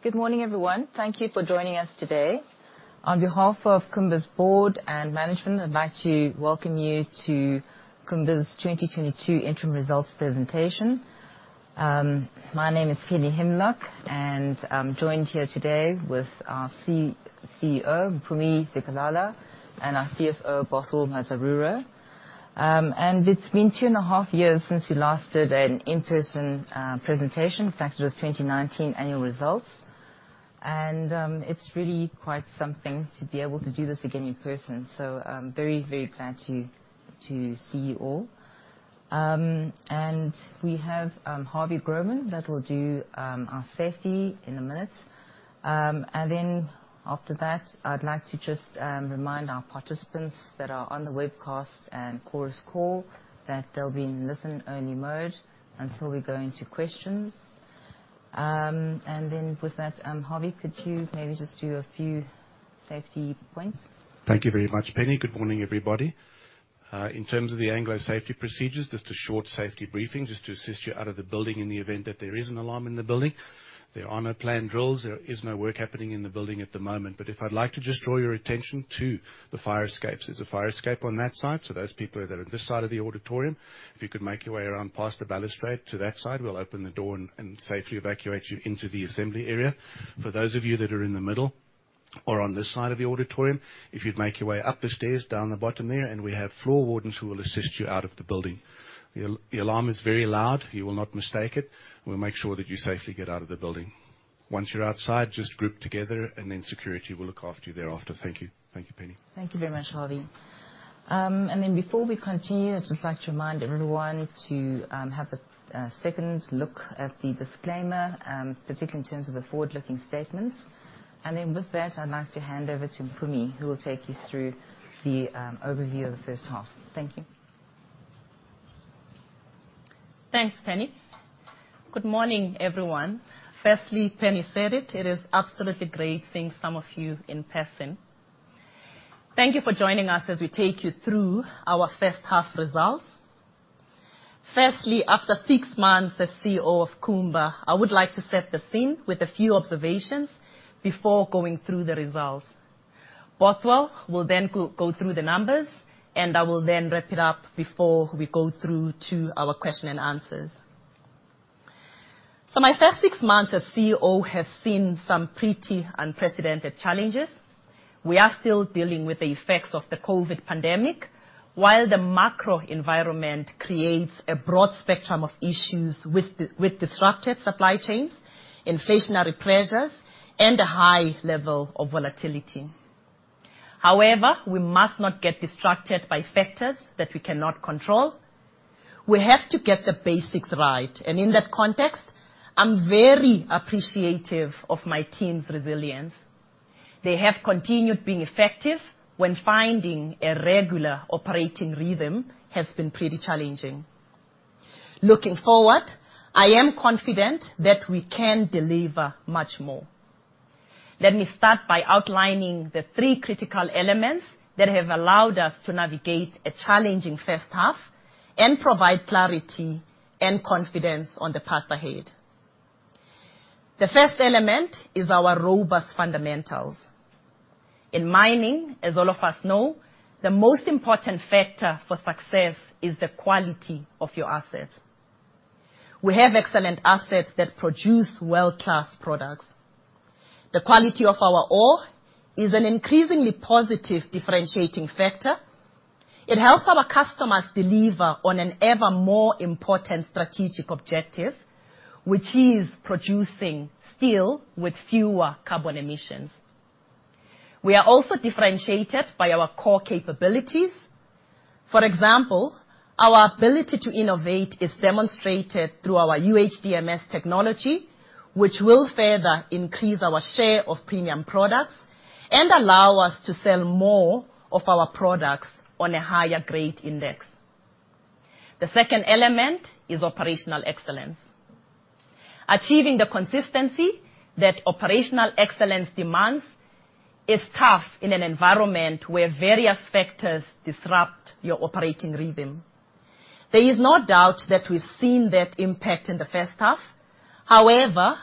Good morning, everyone. Thank you for joining us today. On behalf of Kumba's board and management, I'd like to welcome you to Kumba's 2022 interim results presentation. My name is Penny Himlok, and I'm joined here today with our CEO, Mpumi Zikalala, and our CFO, Bothwell Mazarura. It's been 2.5 years since we last did an in-person presentation. In fact, it was 2019 annual results. It's really quite something to be able to do this again in person. I'm very glad to see you all. We have Harvey Grohmann that will do our safety in a minute. After that, I'd like to just remind our participants that are on the webcast and chorus call that they'll be in listen-only mode until we go into questions. Harvey, could you maybe just do a few safety points? Thank you very much, Penny. Good morning, everybody. In terms of the Anglo safety procedures, just a short safety briefing just to assist you out of the building in the event that there is an alarm in the building. There are no planned drills. There is no work happening in the building at the moment. If I'd like to just draw your attention to the fire escapes. There's a fire escape on that side, so those people that are on this side of the auditorium, if you could make your way around past the balustrade to that side, we'll open the door and safely evacuate you into the assembly area. For those of you that are in the middle or on this side of the auditorium, if you'd make your way up the stairs, down the bottom there, and we have floor wardens who will assist you out of the building. The alarm is very loud. You will not mistake it. We'll make sure that you safely get out of the building. Once you're outside, just group together, and then security will look after you thereafter. Thank you. Thank you, Penny. Thank you very much, Harvey. Before we continue, I'd just like to remind everyone to have a second look at the disclaimer, particularly in terms of the forward-looking statements. With that, I'd like to hand over to Mpumi, who will take you through the overview of the first half. Thank you. Thanks, Penny. Good morning, everyone. Firstly, Penny said it. It is absolutely great seeing some of you in person. Thank you for joining us as we take you through our first half results. Firstly, after six months as CEO of Kumba, I would like to set the scene with a few observations before going through the results. Bothwell will then go through the numbers, and I will then wrap it up before we go through to our question and answers. My first six months as CEO have seen some pretty unprecedented challenges. We are still dealing with the effects of the COVID pandemic while the macro environment creates a broad spectrum of issues with disrupted supply chains, inflationary pressures, and a high level of volatility. However, we must not get distracted by factors that we cannot control. We have to get the basics right, and in that context, I'm very appreciative of my team's resilience. They have continued being effective when finding a regular operating rhythm has been pretty challenging. Looking forward, I am confident that we can deliver much more. Let me start by outlining the three critical elements that have allowed us to navigate a challenging first half and provide clarity and confidence on the path ahead. The first element is our robust fundamentals. In mining, as all of us know, the most important factor for success is the quality of your assets. We have excellent assets that produce world-class products. The quality of our ore is an increasingly positive differentiating factor. It helps our customers deliver on an ever more important strategic objective, which is producing steel with fewer carbon emissions. We are also differentiated by our core capabilities. For example, our ability to innovate is demonstrated through our UHDMS technology, which will further increase our share of premium products and allow us to sell more of our products on a higher grade index. The second element is operational excellence. Achieving the consistency that operational excellence demands is tough in an environment where various factors disrupt your operating rhythm. There is no doubt that we've seen that impact in the first half. However,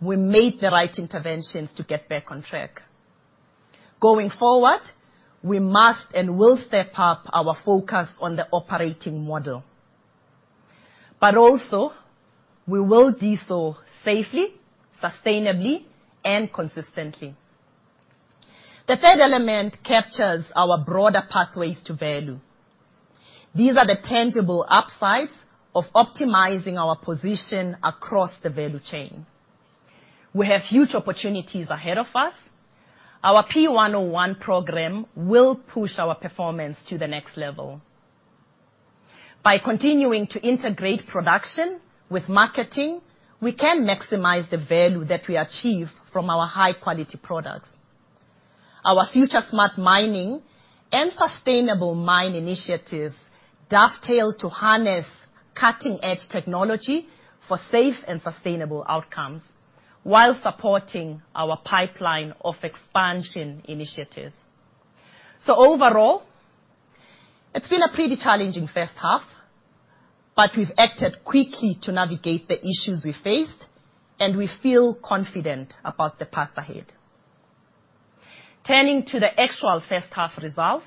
we made the right interventions to get back on track. Going forward, we must and will step up our focus on the operating model. Also, we will do so safely, sustainably, and consistently. The third element captures our broader pathways to value. These are the tangible upsides of optimizing our position across the value chain. We have huge opportunities ahead of us. Our P101 program will push our performance to the next level. By continuing to integrate production with marketing, we can maximize the value that we achieve from our high-quality products. Our future smart mining and sustainable mine initiatives dovetail to harness cutting-edge technology for safe and sustainable outcomes while supporting our pipeline of expansion initiatives. Overall, it's been a pretty challenging first half, but we've acted quickly to navigate the issues we faced, and we feel confident about the path ahead. Turning to the actual first half results.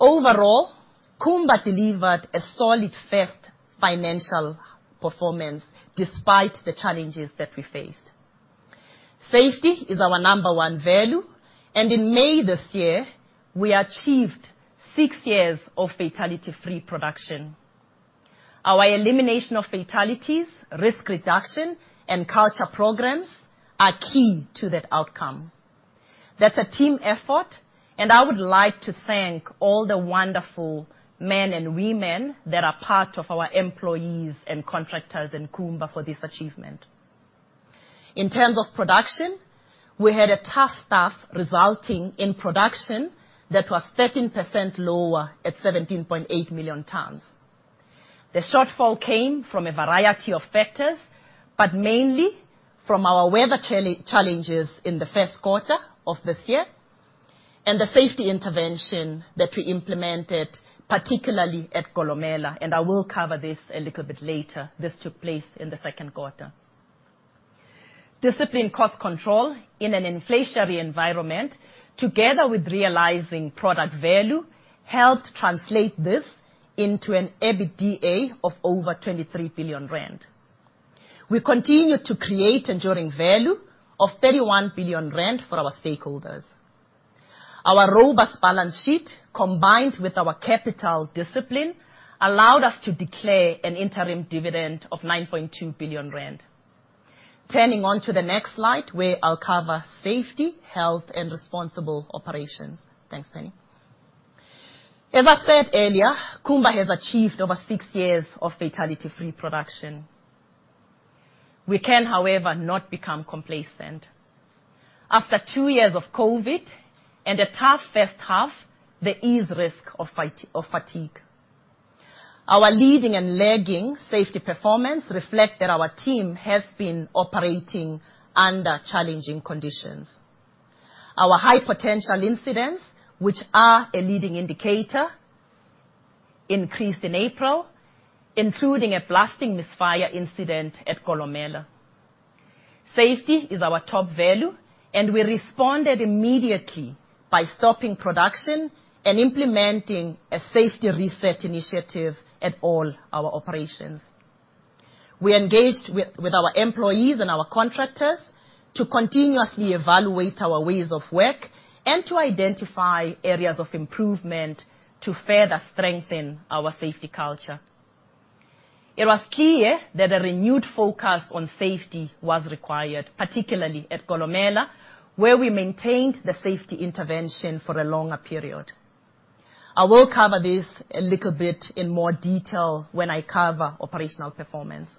Overall, Kumba delivered a solid first financial performance despite the challenges that we faced. Safety is our number one value, and in May this year, we achieved six years of fatality-free production. Our elimination of fatalities, risk reduction, and culture programs are key to that outcome. That's a team effort, and I would like to thank all the wonderful men and women that are part of our employees and contractors in Kumba for this achievement. In terms of production, we had a tough half resulting in production that was 13% lower at 17.8 million tons. The shortfall came from a variety of factors, but mainly from our weather challenges in the first quarter of this year, and the safety intervention that we implemented, particularly at Kolomela, and I will cover this a little bit later. This took place in the second quarter. Disciplined cost control in an inflationary environment, together with realizing product value, helped translate this into an EBITDA of over 23 billion rand. We continue to create enduring value of 31 billion rand for our stakeholders. Our robust balance sheet, combined with our capital discipline, allowed us to declare an interim dividend of 9.2 billion rand. Turning to the next slide, where I'll cover safety, health, and responsible operations. Thanks, Penny. As I said earlier, Kumba has achieved over six years of fatality-free production. We can, however, not become complacent. After two years of COVID and a tough first half, there is risk of fatigue. Our leading and lagging safety performance reflect that our team has been operating under challenging conditions. Our high potential incidents, which are a leading indicator, increased in April, including a blasting misfire incident at Kolomela. Safety is our top value, and we responded immediately by stopping production and implementing a safety reset initiative at all our operations. We engaged with our employees and our contractors to continuously evaluate our ways of work and to identify areas of improvement to further strengthen our safety culture. It was clear that a renewed focus on safety was required, particularly at Kolomela, where we maintained the safety intervention for a longer period. I will cover this a little bit in more detail when I cover operational performance.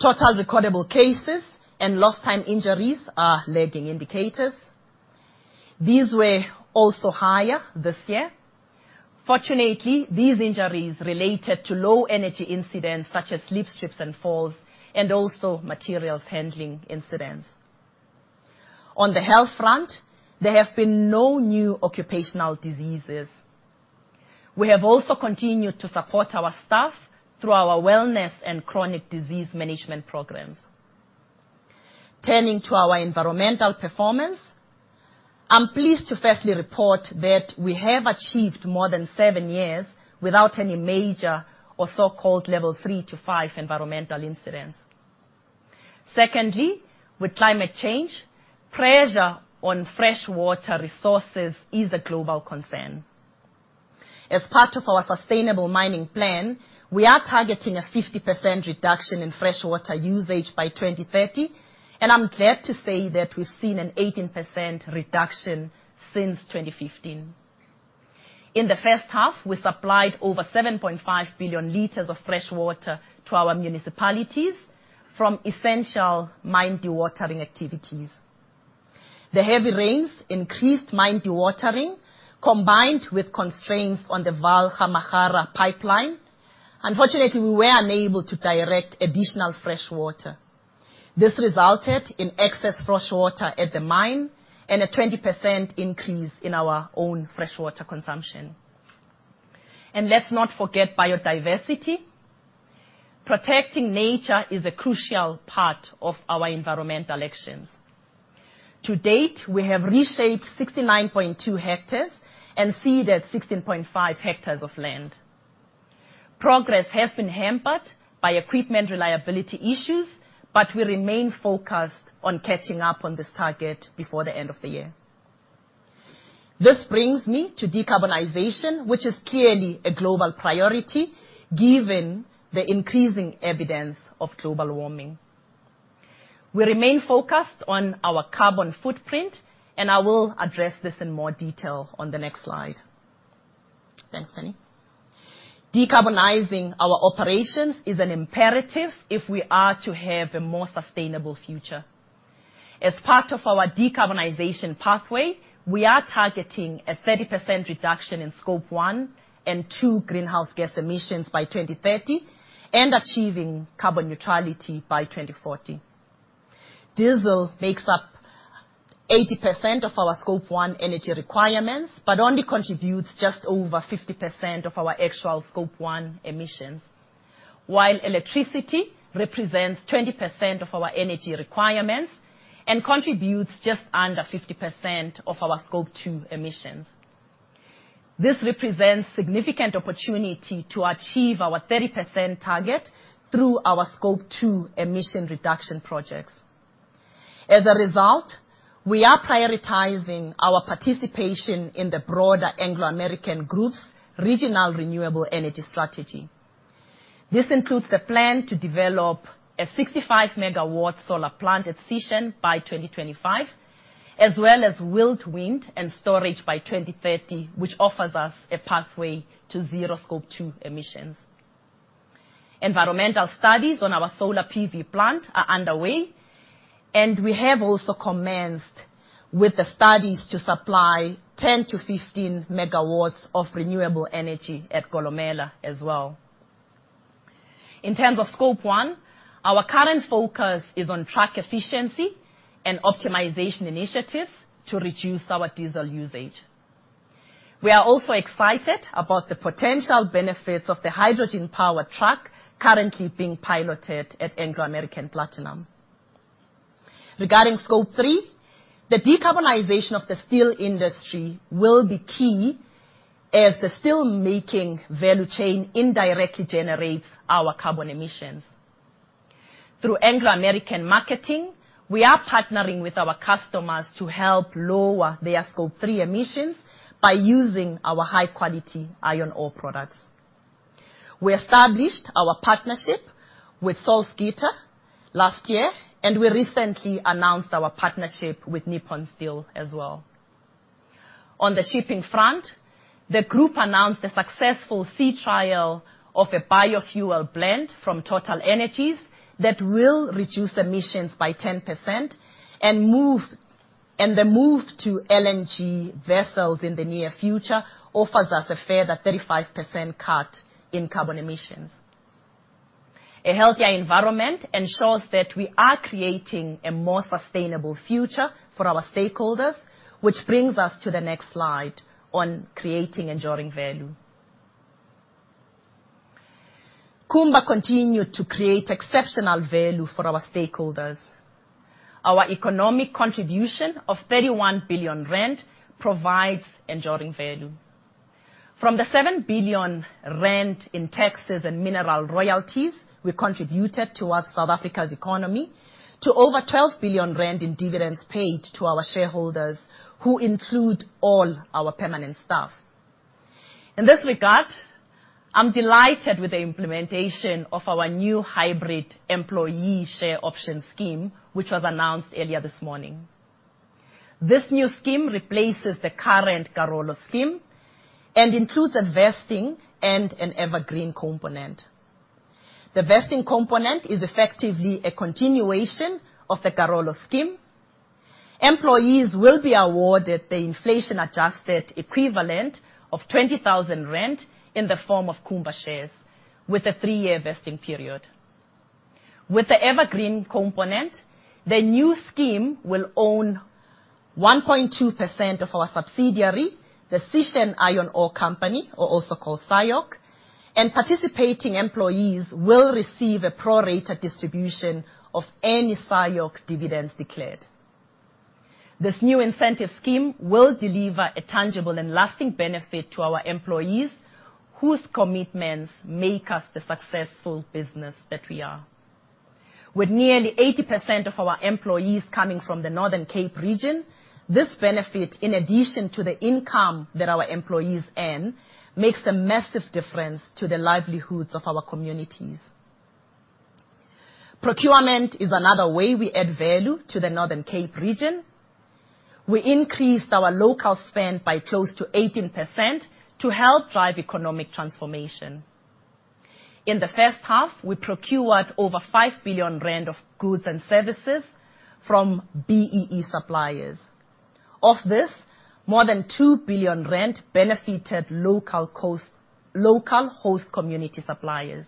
Total recordable cases and lost time injuries are lagging indicators. These were also higher this year. Fortunately, these injuries related to low-energy incidents such as slips, trips, and falls, and also materials handling incidents. On the health front, there have been no new occupational diseases. We have also continued to support our staff through our wellness and chronic disease management programs. Turning to our environmental performance, I'm pleased to firstly report that we have achieved more than seven years without any major or so-called level three to five environmental incidents. Secondly, with climate change, pressure on fresh water resources is a global concern. As part of our sustainable mining plan, we are targeting a 50% reduction in fresh water usage by 2030, and I'm glad to say that we've seen an 18% reduction since 2015. In the first half, we supplied over 7.5 billion L of fresh water to our municipalities from essential mine dewatering activities. The heavy rains increased mine dewatering, combined with constraints on the Vaal Gamagara pipeline. Unfortunately, we were unable to direct additional fresh water. This resulted in excess fresh water at the mine and a 20% increase in our own fresh water consumption. Let's not forget biodiversity. Protecting nature is a crucial part of our environmental actions. To date, we have reshaped 69.2 hectares and seeded 16.5 hectares of land. Progress has been hampered by equipment reliability issues, but we remain focused on catching up on this target before the end of the year. This brings me to decarbonization, which is clearly a global priority, given the increasing evidence of global warming. We remain focused on our carbon footprint, and I will address this in more detail on the next slide. Thanks, Penny. Decarbonizing our operations is an imperative if we are to have a more sustainable future. As part of our decarbonization pathway, we are targeting a 30% reduction in Scope 1 and 2 greenhouse gas emissions by 2030 and achieving carbon neutrality by 2040. Diesel makes up 80% of our Scope 1 energy requirements, but only contributes just over 50% of our actual Scope 1 emissions. While electricity represents 20% of our energy requirements and contributes just under 50% of our Scope 2 emissions. This represents significant opportunity to achieve our 30% target through our Scope 2 emission reduction projects. As a result, we are prioritizing our participation in the broader Anglo American group's regional renewable energy strategy. This includes the plan to develop a 65 MW solar plant at Sishen by 2025, as well as with wind and storage by 2030, which offers us a pathway to zero Scope 2 emissions. Environmental studies on our solar PV plant are underway, and we have also commenced with the studies to supply 10 MW-15 MW of renewable energy at Kolomela as well. In terms of Scope 1, our current focus is on truck efficiency and optimization initiatives to reduce our diesel usage. We are also excited about the potential benefits of the hydrogen power truck currently being piloted at Anglo American Platinum. Regarding Scope 3, the decarbonization of the steel industry will be key as the steel making value chain indirectly generates our carbon emissions. Through Anglo American Marketing, we are partnering with our customers to help lower their Scope 3 emissions by using our high-quality iron ore products. We established our partnership with Salzgitter last year, and we recently announced our partnership with Nippon Steel as well. On the shipping front, the group announced the successful sea trial of a biofuel blend from TotalEnergies that will reduce emissions by 10% and the move to LNG vessels in the near future offers us a further 35% cut in carbon emissions. A healthier environment ensures that we are creating a more sustainable future for our stakeholders, which brings us to the next slide on creating enduring value. Kumba continued to create exceptional value for our stakeholders. Our economic contribution of 31 billion rand provides enduring value. From the 7 billion rand in taxes and mineral royalties we contributed towards South Africa's economy, to over 12 billion rand in dividends paid to our shareholders, who include all our permanent staff. In this regard, I'm delighted with the implementation of our new hybrid employee share option scheme, which was announced earlier this morning. This new scheme replaces the current Karolo scheme and includes a vesting and an evergreen component. The vesting component is effectively a continuation of the Karolo scheme. Employees will be awarded the inflation-adjusted equivalent of 20,000 rand in the form of Kumba shares with a three-year vesting period. With the evergreen component, the new scheme will own 1.2% of our subsidiary, the Sishen Iron Ore Company, or also called SIOC, and participating employees will receive a pro-rata distribution of any SIOC dividends declared. This new incentive scheme will deliver a tangible and lasting benefit to our employees whose commitments make us the successful business that we are. With nearly 80% of our employees coming from the Northern Cape region, this benefit, in addition to the income that our employees earn, makes a massive difference to the livelihoods of our communities. Procurement is another way we add value to the Northern Cape region. We increased our local spend by close to 18% to help drive economic transformation. In the first half, we procured over 5 billion rand of goods and services from BEE suppliers. Of this, more than 2 billion rand benefited local content, local host community suppliers.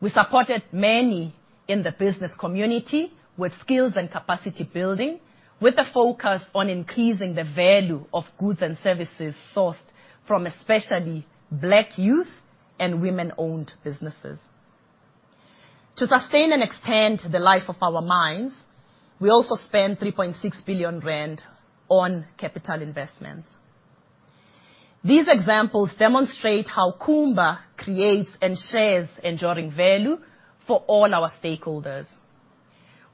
We supported many in the business community with skills and capacity building, with a focus on increasing the value of goods and services sourced from especially black youth and women-owned businesses. To sustain and extend the life of our mines, we also spent 3.6 billion rand on capital investments. These examples demonstrate how Kumba creates and shares enduring value for all our stakeholders.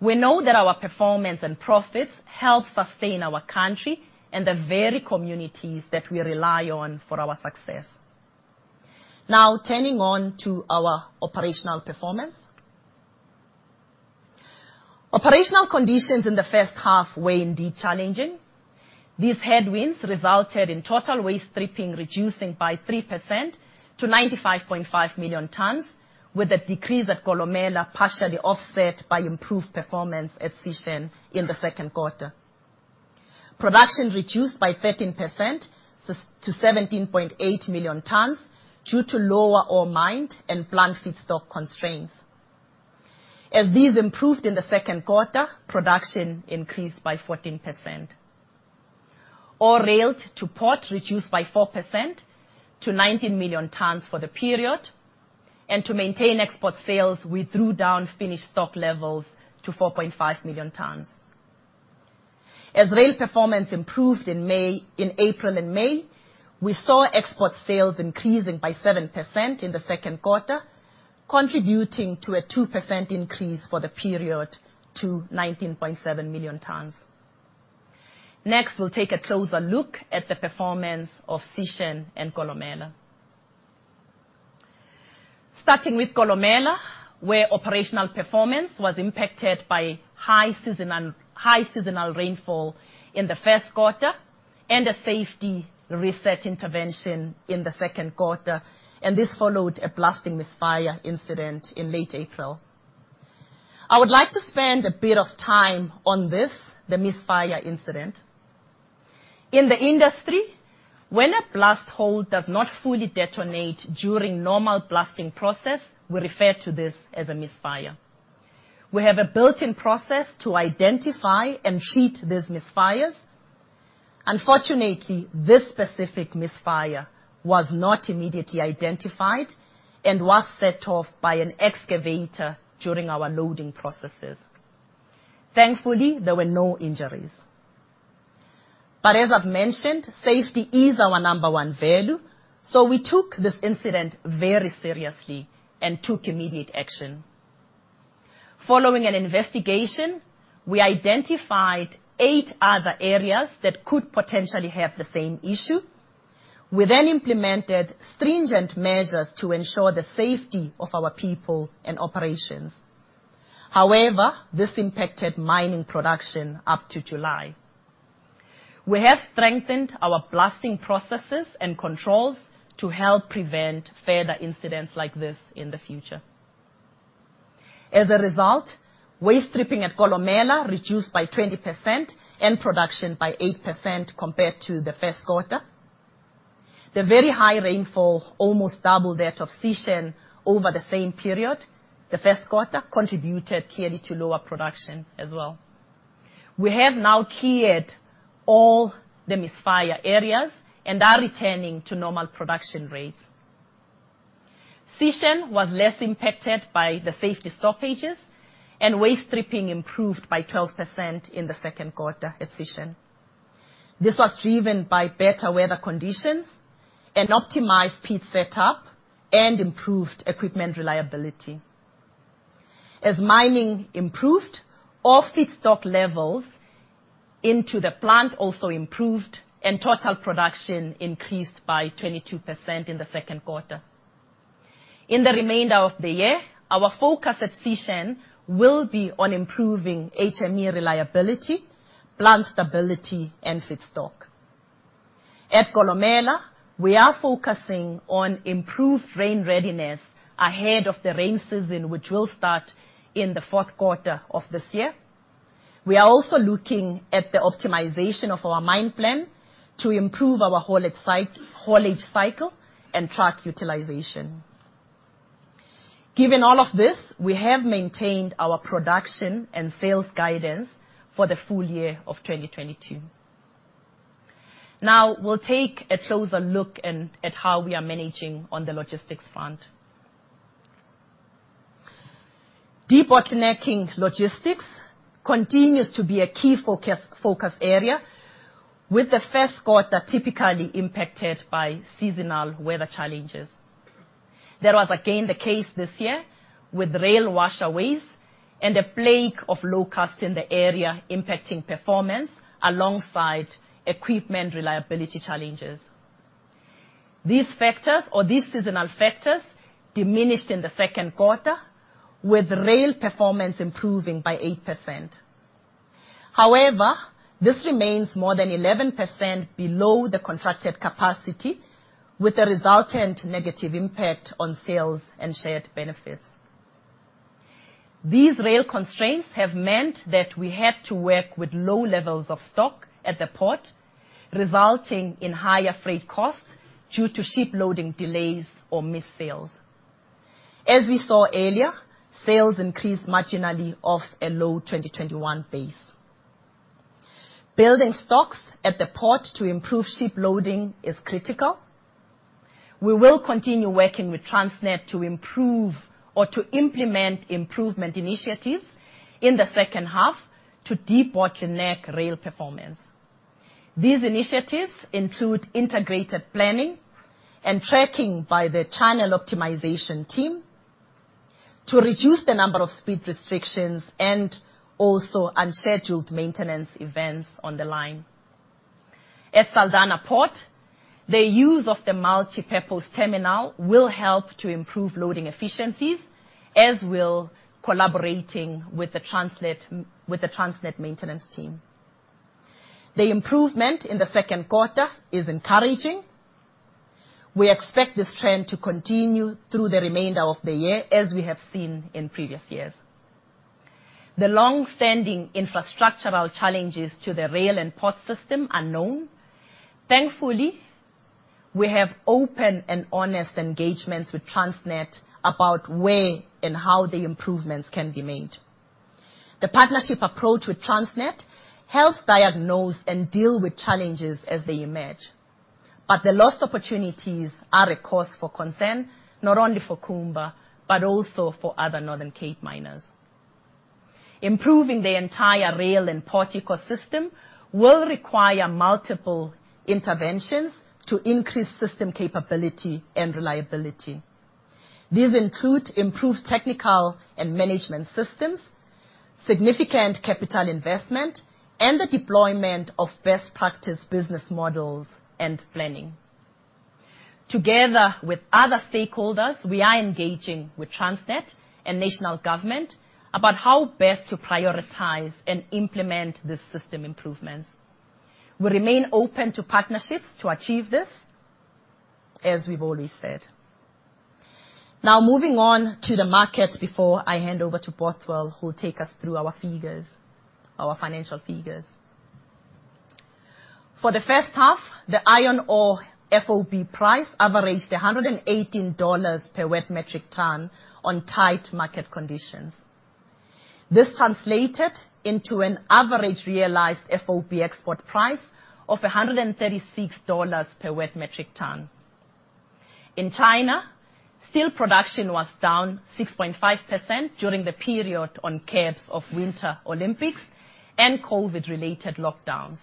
We know that our performance and profits help sustain our country and the very communities that we rely on for our success. Now turning on to our operational performance. Operational conditions in the first half were indeed challenging. These headwinds resulted in total waste stripping, reducing by 3% to 95.5 million tons, with a decrease at Kolomela partially offset by improved performance at Sishen in the second quarter. Production reduced by 13% to 17.8 million tons due to lower ore mined and plant feedstock constraints. As these improved in the second quarter, production increased by 14%. Ore railed to port reduced by 4% to 19 million tons for the period. To maintain export sales, we drew down finished stock levels to 4.5 million tons. As rail performance improved in April and May, we saw export sales increasing by 7% in the second quarter, contributing to a 2% increase for the period to 19.7 million tons. Next, we'll take a closer look at the performance of Sishen and Kolomela. Starting with Kolomela, where operational performance was impacted by high seasonal rainfall in the first quarter and a safety reset intervention in the second quarter, and this followed a blasting misfire incident in late April. I would like to spend a bit of time on this, the misfire incident. In the industry, when a blast hole does not fully detonate during normal blasting process, we refer to this as a misfire. We have a built-in process to identify and treat these misfires. Unfortunately, this specific misfire was not immediately identified and was set off by an excavator during our loading processes. Thankfully, there were no injuries. As I've mentioned, safety is our number one value, so we took this incident very seriously and took immediate action. Following an investigation, we identified eight other areas that could potentially have the same issue. We then implemented stringent measures to ensure the safety of our people and operations. However, this impacted mining production up to July. We have strengthened our blasting processes and controls to help prevent further incidents like this in the future. As a result, waste stripping at Kolomela reduced by 20% and production by 8% compared to the first quarter. The very high rainfall, almost double that of Sishen over the same period, the first quarter, contributed clearly to lower production as well. We have now cleared all the misfire areas and are returning to normal production rates. Sishen was less impacted by the safety stoppages, and waste stripping improved by 12% in the second quarter at Sishen. This was driven by better weather conditions and optimized pit setup and improved equipment reliability. As mining improved, all feedstock levels into the plant also improved, and total production increased by 22% in the second quarter. In the remainder of the year, our focus at Sishen will be on improving HME reliability, plant stability, and feedstock. At Kolomela, we are focusing on improved rain readiness ahead of the rain season, which will start in the fourth quarter of this year. We are also looking at the optimization of our mine plan to improve our haulage cycle and truck utilization. Given all of this, we have maintained our production and sales guidance for the full year of 2022. Now, we'll take a closer look at how we are managing on the logistics front. Debottlenecking logistics continues to be a key focus area with the first quarter typically impacted by seasonal weather challenges. That was again the case this year with rail washaways and a plague of load shedding in the area impacting performance alongside equipment reliability challenges. These factors or these seasonal factors diminished in the second quarter, with rail performance improving by 8%. However, this remains more than 11% below the contracted capacity, with a resultant negative impact on sales and shared benefits. These rail constraints have meant that we had to work with low levels of stock at the port, resulting in higher freight costs due to ship-loading delays or missed sales. As we saw earlier, sales increased marginally off a low 2021 base. Building stocks at the port to improve ship loading is critical. We will continue working with Transnet to improve or to implement improvement initiatives in the second half to debottleneck rail performance. These initiatives include integrated planning and tracking by the channel optimization team to reduce the number of speed restrictions and also unscheduled maintenance events on the line. At Saldanha Port, the use of the multipurpose terminal will help to improve loading efficiencies, as will collaborating with the Transnet maintenance team. The improvement in the second quarter is encouraging. We expect this trend to continue through the remainder of the year, as we have seen in previous years. The long-standing infrastructural challenges to the rail and port system are known. Thankfully, we have open and honest engagements with Transnet about where and how the improvements can be made. The partnership approach with Transnet helps diagnose and deal with challenges as they emerge. The lost opportunities are a cause for concern, not only for Kumba, but also for other Northern Cape miners. Improving the entire rail and port ecosystem will require multiple interventions to increase system capability and reliability. These include improved technical and management systems, significant capital investment, and the deployment of best practice business models and planning. Together with other stakeholders, we are engaging with Transnet and national government about how best to prioritize and implement the system improvements. We remain open to partnerships to achieve this, as we've always said. Now, moving on to the markets before I hand over to Bothwell, who will take us through our figures, our financial figures. For the first half, the iron ore FOB price averaged $118 per wet metric ton on tight market conditions. This translated into an average realized FOB export price of $136 per wet metric ton. In China, steel production was down 6.5% during the period on cusp of Winter Olympics and COVID-related lockdowns.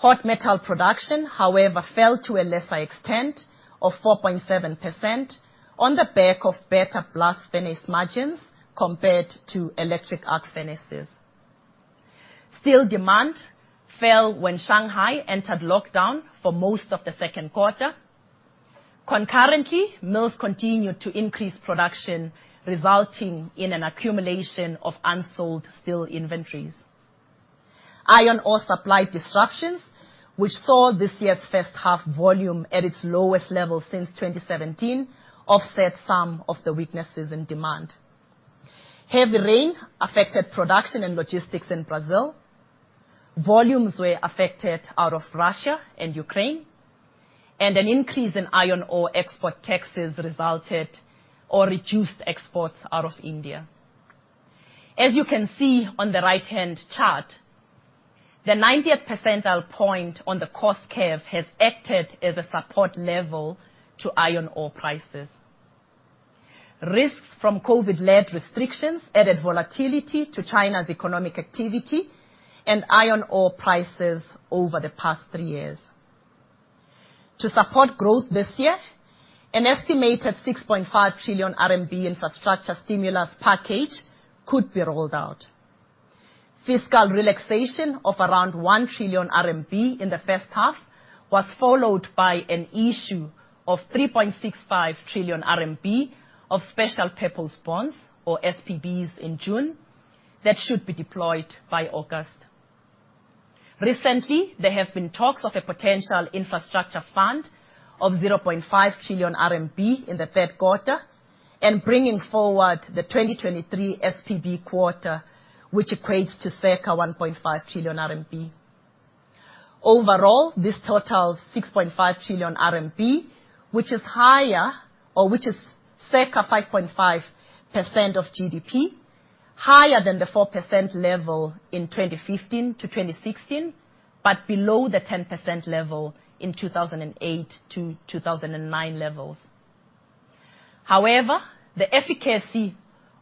Hot metal production, however, fell to a lesser extent of 4.7% on the back of better blast furnace margins compared to electric arc furnaces. Steel demand fell when Shanghai entered lockdown for most of the second quarter. Concurrently, mills continued to increase production, resulting in an accumulation of unsold steel inventories. Iron ore supply disruptions, which saw this year's first half volume at its lowest level since 2017, offset some of the weaknesses in demand. Heavy rain affected production and logistics in Brazil. Volumes were affected out of Russia and Ukraine, and an increase in iron ore export taxes resulted in reduced exports out of India. As you can see on the right-hand chart, the 90th percentile point on the cost curve has acted as a support level to iron ore prices. Risks from COVID-led restrictions added volatility to China's economic activity and iron ore prices over the past three years. To support growth this year, an estimated 6.5 trillion RMB infrastructure stimulus package could be rolled out. Fiscal relaxation of around 1 trillion RMB in the first half was followed by an issue of 3.65 trillion RMB of special purpose bonds or SPBs in June that should be deployed by August. Recently, there have been talks of a potential infrastructure fund of 0.5 trillion RMB in the third quarter and bringing forward the 2023 SPB quota, which equates to circa 1.5 trillion RMB. Overall, this totals 6.5 trillion RMB, which is higher, or which is circa 5.5% of GDP, higher than the 4% level in 2015 to 2016, but below the 10% level in 2008 to 2009 levels. However, the efficacy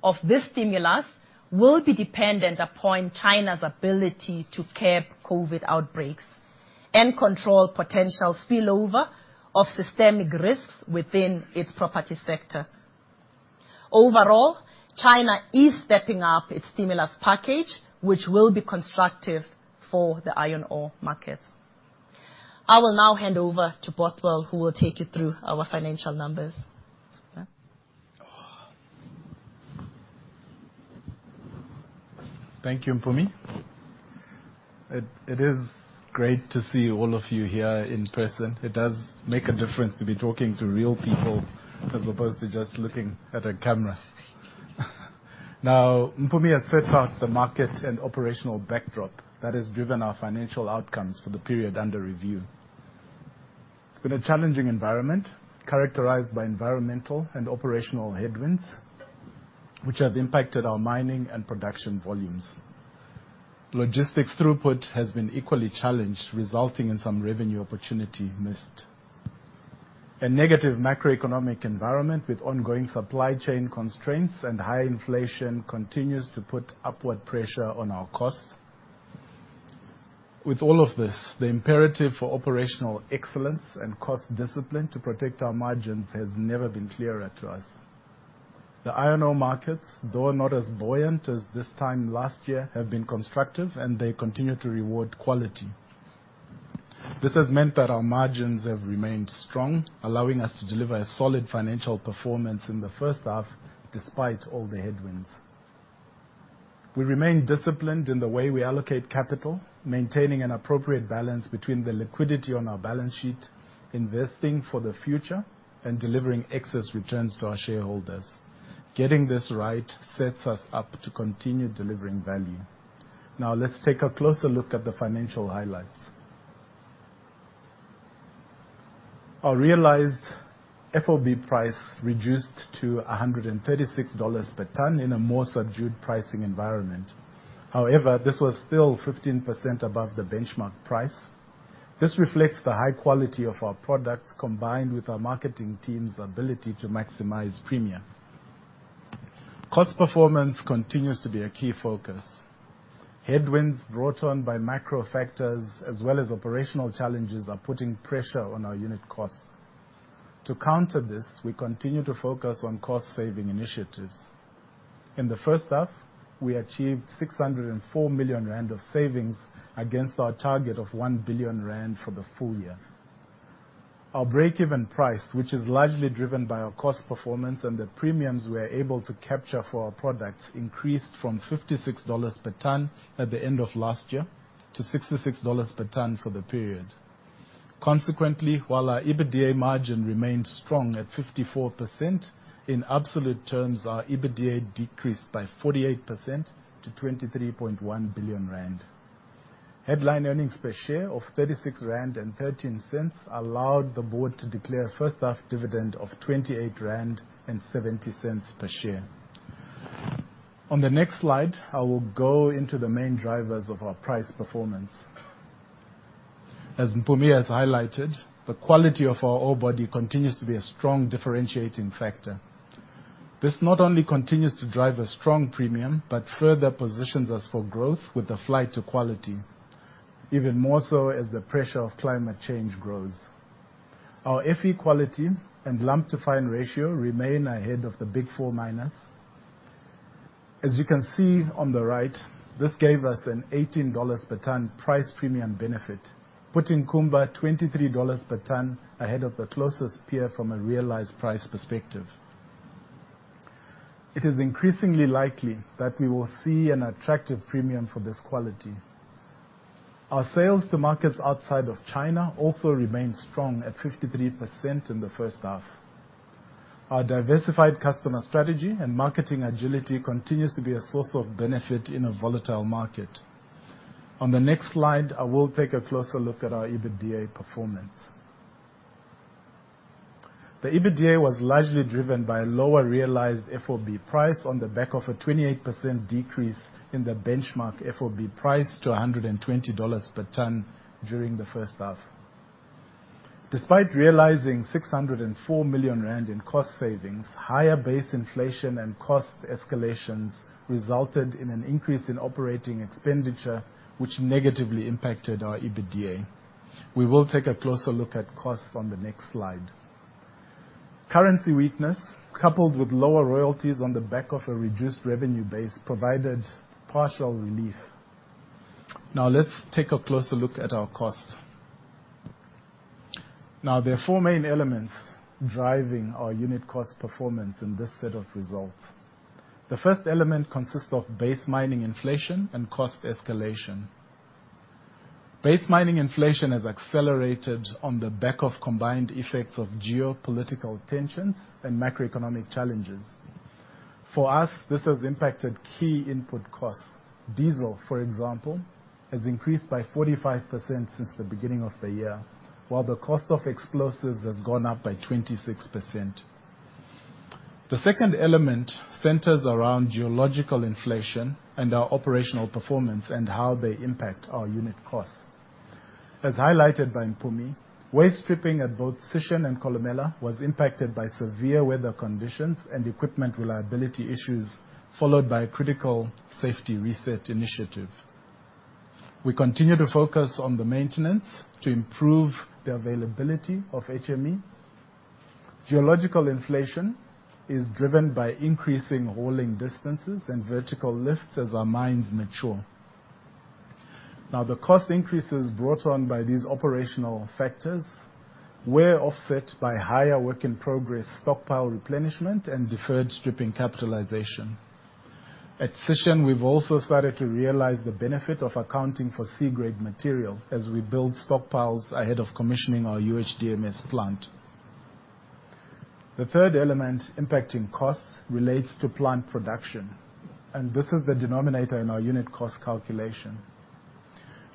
of this stimulus will be dependent upon China's ability to curb COVID outbreaks and control potential spillover of systemic risks within its property sector. Overall, China is stepping up its stimulus package, which will be constructive for the iron ore markets. I will now hand over to Bothwell, who will take you through our financial numbers. Sir? Thank you, Mpumi. It is great to see all of you here in person. It does make a difference to be talking to real people as opposed to just looking at a camera. Now, Mpumi has set out the market and operational backdrop that has driven our financial outcomes for the period under review. It's been a challenging environment, characterized by environmental and operational headwinds, which have impacted our mining and production volumes. Logistics throughput has been equally challenged, resulting in some revenue opportunity missed. A negative macroeconomic environment with ongoing supply chain constraints and high inflation continues to put upward pressure on our costs. With all of this, the imperative for operational excellence and cost discipline to protect our margins has never been clearer to us. The iron ore markets, though not as buoyant as this time last year, have been constructive, and they continue to reward quality. This has meant that our margins have remained strong, allowing us to deliver a solid financial performance in the first half despite all the headwinds. We remain disciplined in the way we allocate capital, maintaining an appropriate balance between the liquidity on our balance sheet, investing for the future, and delivering excess returns to our shareholders. Getting this right sets us up to continue delivering value. Now, let's take a closer look at the financial highlights. Our realized FOB price reduced to $136 per ton in a more subdued pricing environment. However, this was still 15% above the benchmark price. This reflects the high quality of our products, combined with our marketing team's ability to maximize premium. Cost performance continues to be a key focus. Headwinds brought on by macro factors as well as operational challenges are putting pressure on our unit costs. To counter this, we continue to focus on cost-saving initiatives. In the first half, we achieved 604 million rand of savings against our target of 1 billion rand for the full year. Our breakeven price, which is largely driven by our cost performance and the premiums we are able to capture for our products, increased from $56 per ton at the end of last year to $66 per ton for the period. Consequently, while our EBITDA margin remained strong at 54%, in absolute terms, our EBITDA decreased by 48% to 23.1 billion rand. Headline earnings per share of 36.13 rand allowed the board to declare a first half dividend of 28.70 rand per share. On the next slide, I will go into the main drivers of our price performance. As Mpumi has highlighted, the quality of our orebody continues to be a strong differentiating factor. This not only continues to drive a strong premium, but further positions us for growth with the flight to quality, even more so as the pressure of climate change grows. Our Fe quality and lump to fine ratio remain ahead of the Big Four miners. As you can see on the right, this gave us an $18 per ton price premium benefit, putting Kumba $23 per ton ahead of the closest peer from a realized price perspective. It is increasingly likely that we will see an attractive premium for this quality. Our sales to markets outside of China also remained strong at 53% in the first half. Our diversified customer strategy and marketing agility continues to be a source of benefit in a volatile market. On the next slide, I will take a closer look at our EBITDA performance. The EBITDA was largely driven by a lower realized FOB price on the back of a 28% decrease in the benchmark FOB price to $120 per ton during the first half. Despite realizing 604 million rand in cost savings, higher base inflation and cost escalations resulted in an increase in operating expenditure, which negatively impacted our EBITDA. We will take a closer look at costs on the next slide. Currency weakness, coupled with lower royalties on the back of a reduced revenue base, provided partial relief. Now, let's take a closer look at our costs. Now, there are four main elements driving our unit cost performance in this set of results. The first element consists of base mining inflation and cost escalation. Base mining inflation has accelerated on the back of combined effects of geopolitical tensions and macroeconomic challenges. For us, this has impacted key input costs. Diesel, for example, has increased by 45% since the beginning of the year, while the cost of explosives has gone up by 26%. The second element centers around geological inflation and our operational performance and how they impact our unit costs. As highlighted by Mpumi, waste stripping at both Sishen and Kolomela was impacted by severe weather conditions and equipment reliability issues, followed by a critical safety reset initiative. We continue to focus on the maintenance to improve the availability of HME. Geological inflation is driven by increasing hauling distances and vertical lifts as our mines mature. Now, the cost increases brought on by these operational factors were offset by higher work in progress stockpile replenishment and deferred stripping capitalization. At Sishen, we've also started to realize the benefit of accounting for C-grade material as we build stockpiles ahead of commissioning our UHDMS plant. The third element impacting costs relates to plant production, and this is the denominator in our unit cost calculation.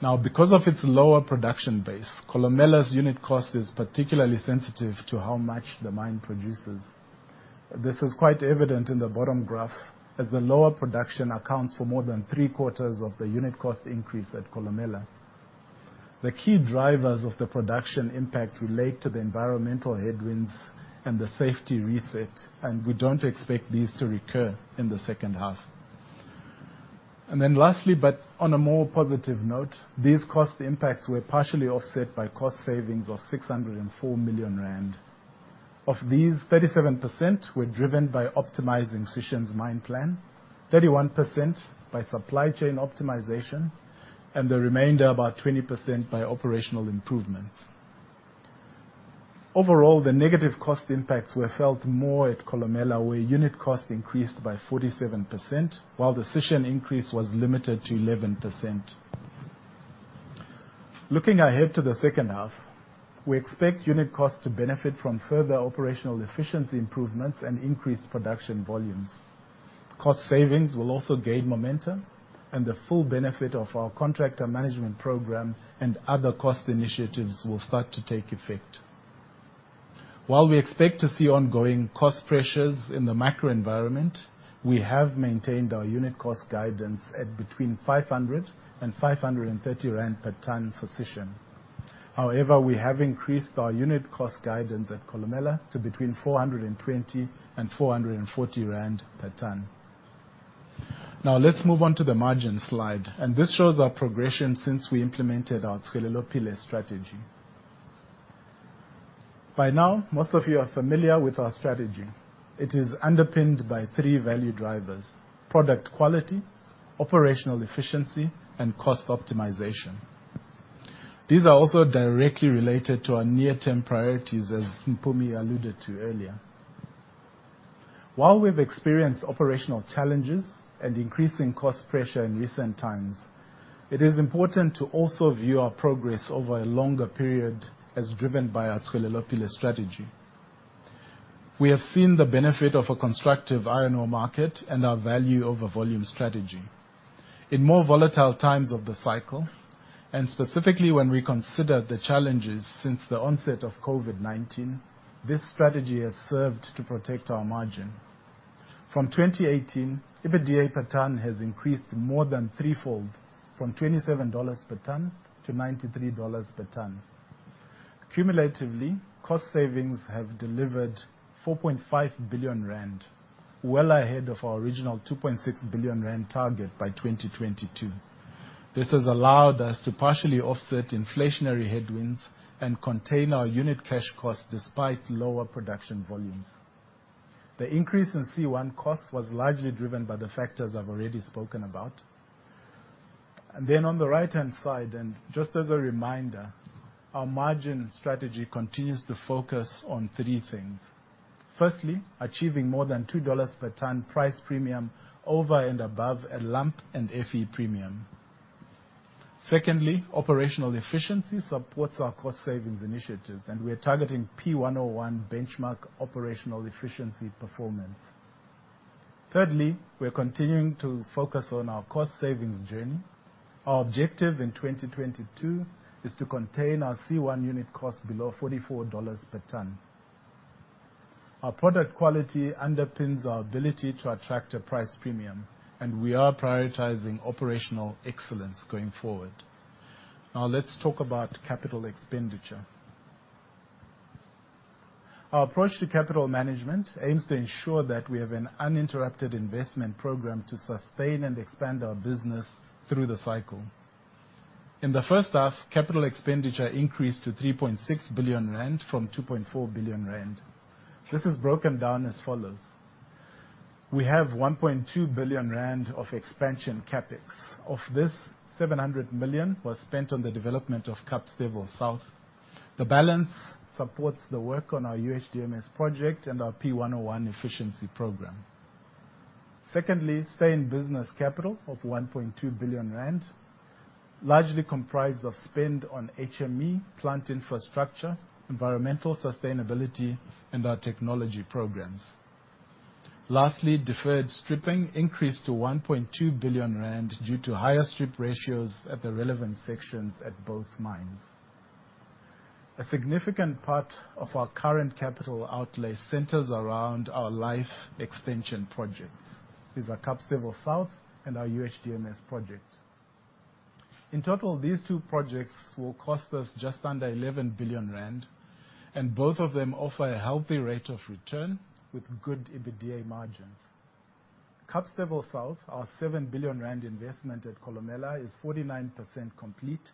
Now, because of its lower production base, Kolomela's unit cost is particularly sensitive to how much the mine produces. This is quite evident in the bottom graph, as the lower production accounts for more than three-quarters of the unit cost increase at Kolomela. The key drivers of the production impact relate to the environmental headwinds and the safety reset, and we don't expect these to recur in the second half. Lastly, but on a more positive note, these cost impacts were partially offset by cost savings of 604 million rand. Of these, 37% were driven by optimizing Sishen's mine plan, 31% by supply chain optimization, and the remainder, about 20%, by operational improvements. Overall, the negative cost impacts were felt more at Kolomela, where unit cost increased by 47%, while the Sishen increase was limited to 11%. Looking ahead to the second half, we expect unit costs to benefit from further operational efficiency improvements and increased production volumes. Cost savings will also gain momentum and the full benefit of our contractor management program and other cost initiatives will start to take effect. While we expect to see ongoing cost pressures in the macro environment, we have maintained our unit cost guidance at between 500 and 530 rand per ton for Sishen. However, we have increased our unit cost guidance at Kolomela to between 420 and 440 rand per ton. Now let's move on to the margin slide, and this shows our progression since we implemented our Tswelelopele strategy. By now, most of you are familiar with our strategy. It is underpinned by three value drivers, product quality, operational efficiency, and cost optimization. These are also directly related to our near-term priorities, as Mpumi alluded to earlier. While we've experienced operational challenges and increasing cost pressure in recent times, it is important to also view our progress over a longer period as driven by our Tswelelopele strategy. We have seen the benefit of a constructive iron ore market and our value over volume strategy. In more volatile times of the cycle, and specifically when we consider the challenges since the onset of COVID-19, this strategy has served to protect our margin. From 2018, EBITDA per ton has increased more than threefold from $27 per ton to $93 per ton. Cumulatively, cost savings have delivered 4.5 billion rand, well ahead of our original 2.6 billion rand target by 2022. This has allowed us to partially offset inflationary headwinds and contain our unit cash costs despite lower production volumes. The increase in C1 costs was largely driven by the factors I've already spoken about. On the right-hand side, and just as a reminder, our margin strategy continues to focus on three things. Firstly, achieving more than $2 per ton price premium over and above a lump and Fe premium. Secondly, operational efficiency supports our cost savings initiatives, and we are targeting P101 benchmark operational efficiency performance. Thirdly, we are continuing to focus on our cost savings journey. Our objective in 2022 is to contain our C1 unit cost below $44 per ton. Our product quality underpins our ability to attract a price premium, and we are prioritizing operational excellence going forward. Now let's talk about capital expenditure. Our approach to capital management aims to ensure that we have an uninterrupted investment program to sustain and expand our business through the cycle. In the first half, capital expenditure increased to 3.6 billion rand from 2.4 billion rand. This is broken down as follows. We have 1.2 billion rand of expansion CapEx. Of this, 700 million was spent on the development of Kapstevel South. The balance supports the work on our UHDMS project and our P101 efficiency program. Secondly, stay in business capital of 1.2 billion rand, largely comprised of spend on HME, plant infrastructure, environmental sustainability, and our technology programs. Lastly, deferred stripping increased to 1.2 billion rand due to higher strip ratios at the relevant sections at both mines. A significant part of our current capital outlay centers around our life extension projects. These are Kapstevel South and our UHDMS project. In total, these two projects will cost us just under 11 billion rand, and both of them offer a healthy rate of return with good EBITDA margins. Kapstevel South, our 7 billion rand investment at Kolomela, is 49% complete.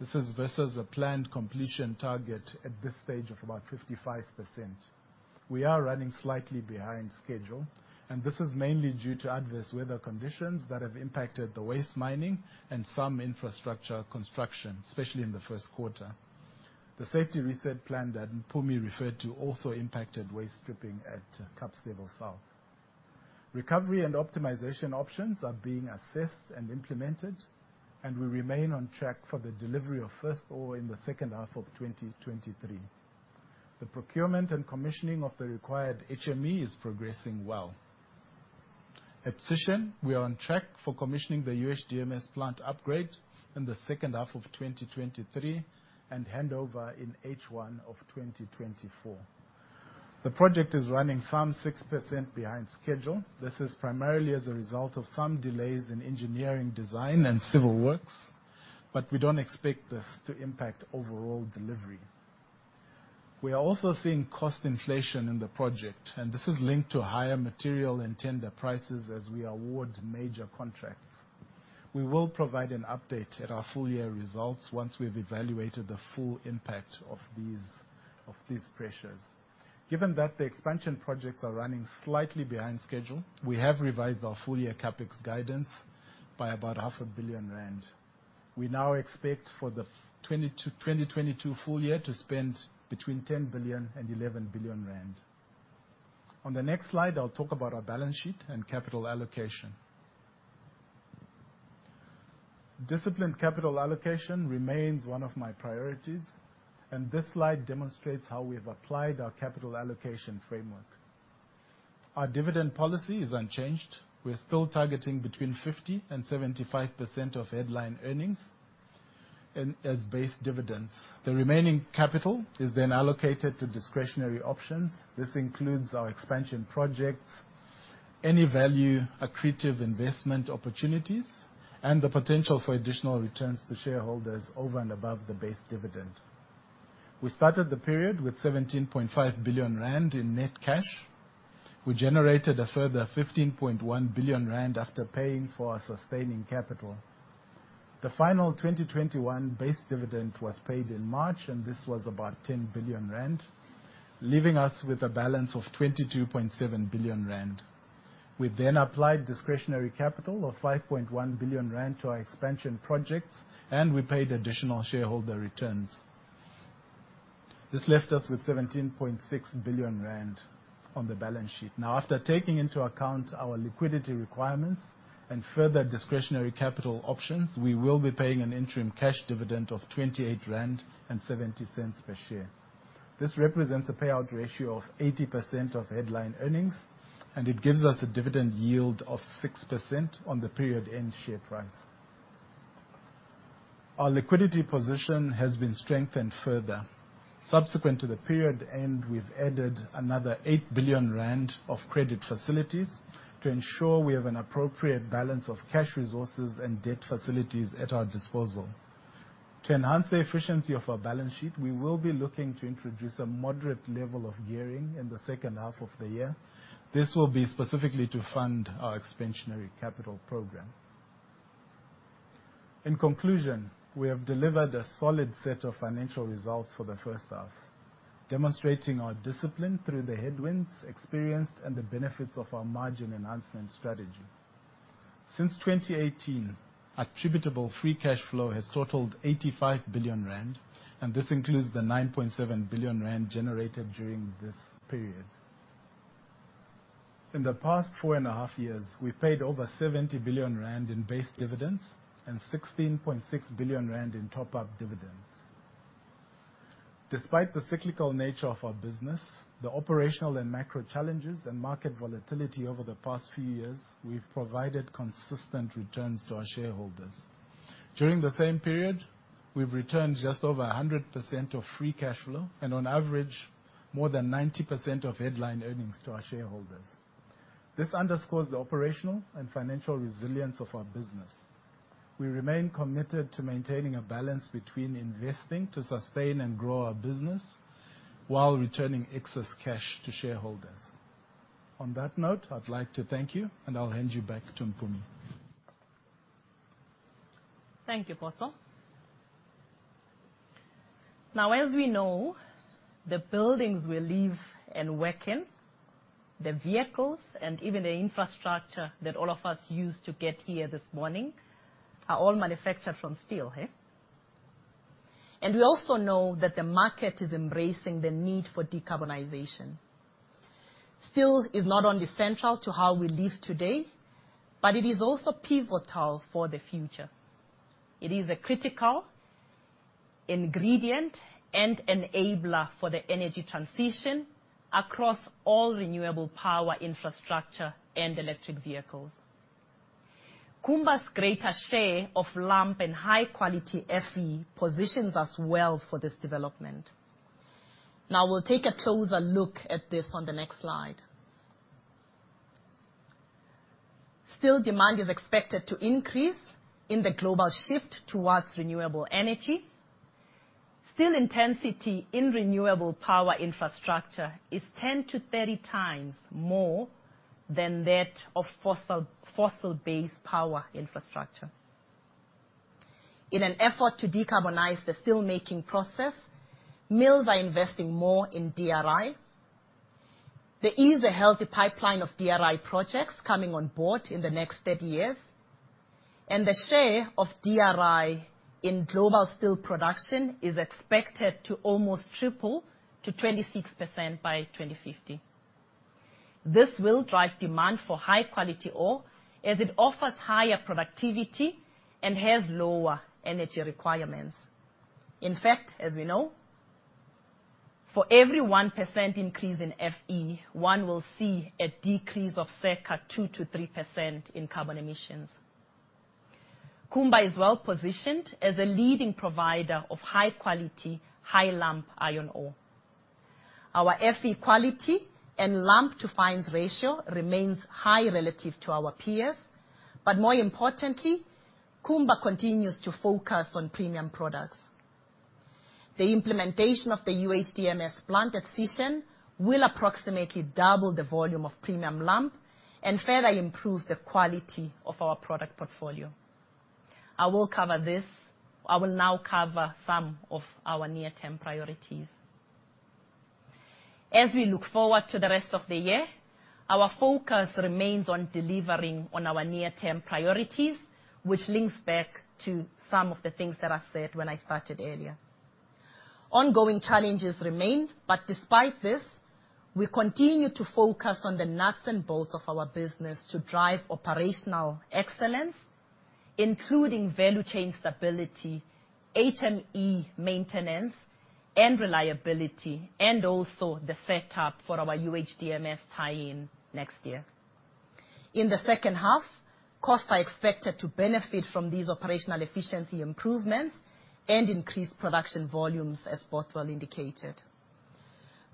This is versus a planned completion target at this stage of about 55%. We are running slightly behind schedule, and this is mainly due to adverse weather conditions that have impacted the waste mining and some infrastructure construction, especially in the first quarter. The safety reset plan that Mpumi referred to also impacted waste stripping at Kapstevel South. Recovery and optimization options are being assessed and implemented, and we remain on track for the delivery of first ore in the second half of 2023. The procurement and commissioning of the required HME is progressing well. At Sishen, we are on track for commissioning the UHDMS plant upgrade in the second half of 2023 and handover in H1 of 2024. The project is running some 6% behind schedule. This is primarily as a result of some delays in engineering design and civil works, but we don't expect this to impact overall delivery. We are also seeing cost inflation in the project, and this is linked to higher material and tender prices as we award major contracts. We will provide an update at our full year results once we have evaluated the full impact of these pressures. Given that the expansion projects are running slightly behind schedule, we have revised our full year CapEx guidance by about half a billion rand. We now expect for the 2022 full year to spend between 10 billion and 11 billion rand. On the next slide, I'll talk about our balance sheet and capital allocation. Disciplined capital allocation remains one of my priorities, and this slide demonstrates how we have applied our capital allocation framework. Our dividend policy is unchanged. We're still targeting between 50% and 75% of headline earnings as base dividends. The remaining capital is then allocated to discretionary options. This includes our expansion projects, any value accretive investment opportunities, and the potential for additional returns to shareholders over and above the base dividend. We started the period with 17.5 billion rand in net cash. We generated a further 15.1 billion rand after paying for our sustaining capital. The final 2021 base dividend was paid in March, and this was about 10 billion rand, leaving us with a balance of 22.7 billion rand. We then applied discretionary capital of 5.1 billion rand to our expansion projects, and we paid additional shareholder returns. This left us with 17.6 billion rand on the balance sheet. Now, after taking into account our liquidity requirements and further discretionary capital options, we will be paying an interim cash dividend of 28.70 rand per share. This represents a payout ratio of 80% of headline earnings, and it gives us a dividend yield of 6% on the period end share price. Our liquidity position has been strengthened further. Subsequent to the period end, we've added another 8 billion rand of credit facilities to ensure we have an appropriate balance of cash resources and debt facilities at our disposal. To enhance the efficiency of our balance sheet, we will be looking to introduce a moderate level of gearing in the second half of the year. This will be specifically to fund our expansionary capital program. In conclusion, we have delivered a solid set of financial results for the first half, demonstrating our discipline through the headwinds experienced and the benefits of our margin enhancement strategy. Since 2018, attributable free cash flow has totaled 85 billion rand, and this includes the 9.7 billion rand generated during this period. In the past 4.5 years, we've paid over 70 billion rand in base dividends and 16.6 billion rand in top-up dividends. Despite the cyclical nature of our business, the operational and macro challenges, and market volatility over the past few years, we've provided consistent returns to our shareholders. During the same period, we've returned just over 100% of free cash flow and, on average, more than 90% of headline earnings to our shareholders. This underscores the operational and financial resilience of our business. We remain committed to maintaining a balance between investing to sustain and grow our business while returning excess cash to shareholders. On that note, I'd like to thank you, and I'll hand you back to Mpumi. Thank you, Bothwell. Now, as we know, the buildings we live and work in, the vehicles, and even the infrastructure that all of us used to get here this morning are all manufactured from steel. We also know that the market is embracing the need for decarbonization. Steel is not only central to how we live today, but it is also pivotal for the future. It is a critical ingredient and enabler for the energy transition across all renewable power infrastructure and electric vehicles. Kumba's greater share of lump and high-quality Fe positions us well for this development. Now, we'll take a closer look at this on the next slide. Steel demand is expected to increase in the global shift towards renewable energy. Steel intensity in renewable power infrastructure is 10-30 times more than that of fossil-based power infrastructure. In an effort to decarbonize the steelmaking process, mills are investing more in DRI. There is a healthy pipeline of DRI projects coming on board in the next 30 years, and the share of DRI in global steel production is expected to almost triple to 26% by 2050. This will drive demand for high-quality ore as it offers higher productivity and has lower energy requirements. In fact, as we know, for every 1% increase in Fe, one will see a decrease of circa 2%-3% in carbon emissions. Kumba is well-positioned as a leading provider of high-quality, high-lump iron ore. Our Fe quality and lump-to-fines ratio remains high relative to our peers, but more importantly, Kumba continues to focus on premium products. The implementation of the UHDMS plant at Sishen will approximately double the volume of premium lump and further improve the quality of our product portfolio. I will cover this. I will now cover some of our near-term priorities. As we look forward to the rest of the year, our focus remains on delivering on our near-term priorities, which links back to some of the things that I said when I started earlier. Ongoing challenges remain, but despite this, we continue to focus on the nuts and bolts of our business to drive operational excellence, including value chain stability, HME maintenance and reliability, and also the setup for our UHDMS tie-in next year. In the second half, costs are expected to benefit from these operational efficiency improvements and increased production volumes, as Bothwell indicated.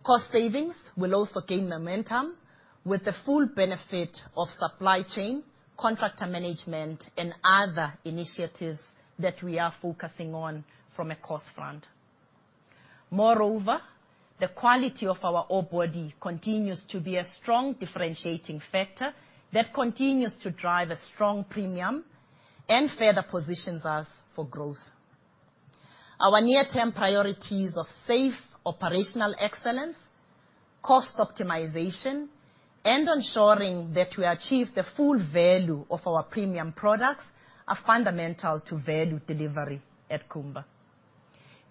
Cost savings will also gain momentum with the full benefit of supply chain, contractor management and other initiatives that we are focusing on from a cost front. Moreover, the quality of our ore body continues to be a strong differentiating factor that continues to drive a strong premium and further positions us for growth. Our near-term priorities of safe operational excellence, cost optimization, and ensuring that we achieve the full value of our premium products are fundamental to value delivery at Kumba.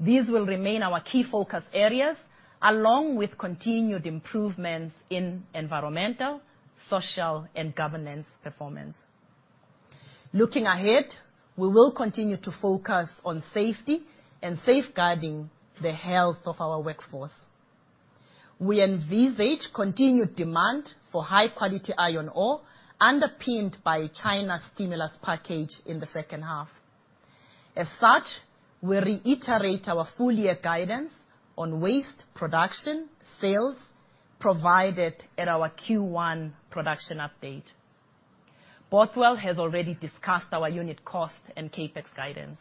These will remain our key focus areas along with continued improvements in environmental, social, and governance performance. Looking ahead, we will continue to focus on safety and safeguarding the health of our workforce. We envisage continued demand for high-quality iron ore underpinned by China's stimulus package in the second half. As such, we reiterate our full-year guidance on waste production, sales, provided at our Q1 production update. Bothwell has already discussed our unit cost and CapEx guidance.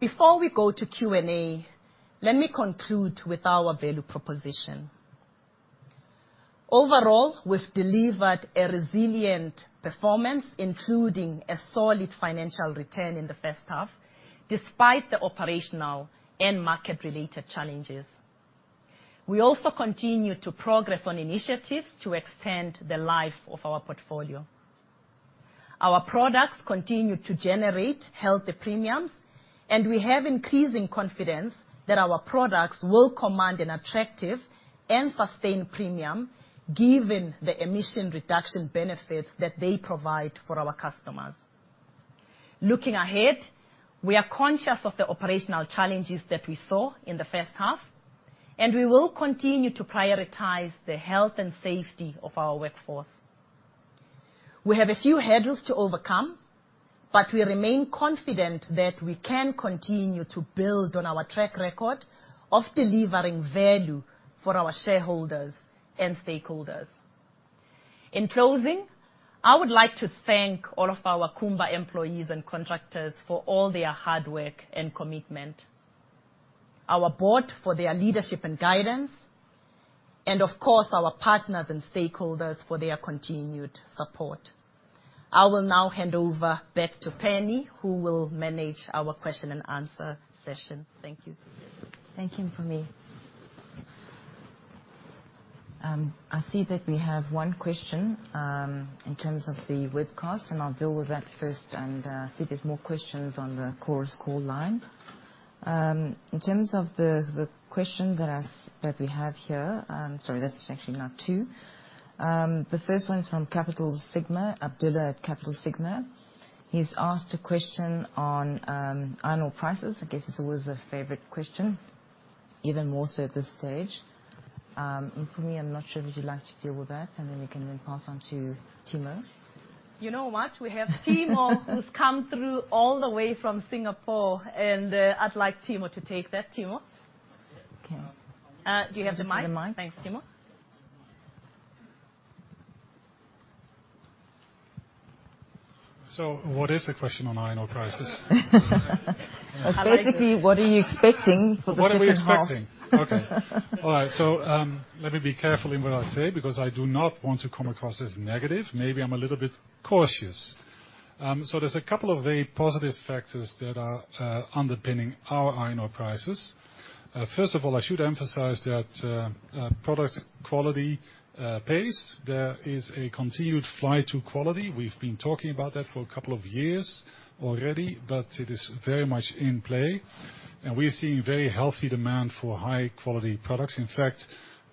Before we go to Q&A, let me conclude with our value proposition. Overall, we've delivered a resilient performance, including a solid financial return in the first half, despite the operational and market-related challenges. We also continue to progress on initiatives to extend the life of our portfolio. Our products continue to generate healthy premiums, and we have increasing confidence that our products will command an attractive and sustained premium given the emission reduction benefits that they provide for our customers. Looking ahead, we are conscious of the operational challenges that we saw in the first half, and we will continue to prioritize the health and safety of our workforce. We have a few hurdles to overcome, but we remain confident that we can continue to build on our track record of delivering value for our shareholders and stakeholders. In closing, I would like to thank all of our Kumba employees and contractors for all their hard work and commitment. Our board for their leadership and guidance, and of course, our partners and stakeholders for their continued support. I will now hand over back to Penny, who will manage our question and answer session. Thank you. Thank you, Mpumi. I see that we have one question in terms of the webcast, and I'll deal with that first, and see if there's more questions on the chorus call line. In terms of the question that we have here, sorry, that's actually now two. The first one is from CAPITAL SIGMA, Abdullah at CAPITAL SIGMA. He's asked a question on iron ore prices. I guess it's always a favorite question, even more so at this stage. Mpumi, I'm not sure if you'd like to deal with that, and then we can pass on to Timo. You know what? We have Timo who's come through all the way from Singapore, and I'd like Timo to take that. Timo. Okay. Do you have the mic? Do you have the mic? Thanks, Timo. What is the question on iron ore prices? It's basically. How are you? What are you expecting for the second half? What are we expecting? Okay. All right. Let me be careful in what I say because I do not want to come across as negative. Maybe I'm a little bit cautious. There's a couple of very positive factors that are underpinning our iron ore prices. First of all, I should emphasize that product quality pays. There is a continued flight to quality. We've been talking about that for a couple of years already, but it is very much in play. We're seeing very healthy demand for high-quality products. In fact,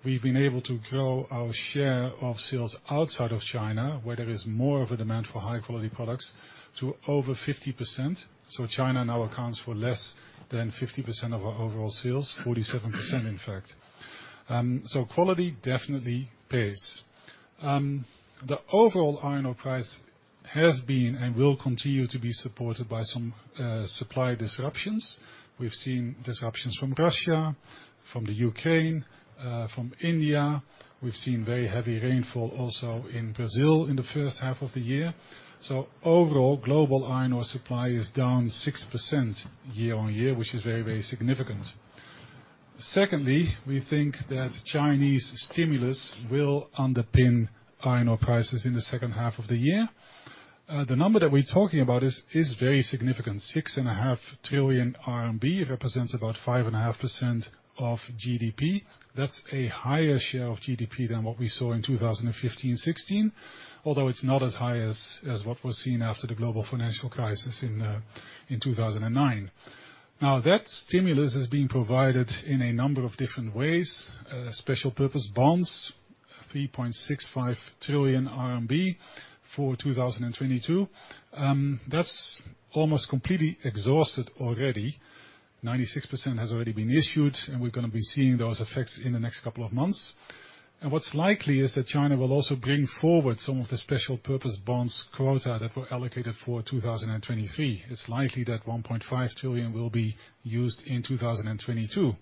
we've been able to grow our share of sales outside of China, where there is more of a demand for high-quality products, to over 50%. China now accounts for less than 50% of our overall sales. 47%, in fact. Quality definitely pays. The overall iron ore price has been and will continue to be supported by some supply disruptions. We've seen disruptions from Russia, from the U.K., from India. We've seen very heavy rainfall also in Brazil in the first half of the year. Overall, global iron ore supply is down 6% year-on-year, which is very, very significant. Secondly, we think that Chinese stimulus will underpin iron ore prices in the second half of the year. The number that we're talking about is very significant. 6.5 trillion RMB represents about 5.5% of GDP. That's a higher share of GDP than what we saw in 2015, 2016, although it's not as high as what was seen after the global financial crisis in 2009. That stimulus is being provided in a number of different ways. Special purpose bonds, 3.65 trillion RMB for 2022. That's almost completely exhausted already. 96% has already been issued, and we're gonna be seeing those effects in the next couple of months. What's likely is that China will also bring forward some of the special purpose bonds quota that were allocated for 2023. It's likely that 1.5 trillion will be used in 2022.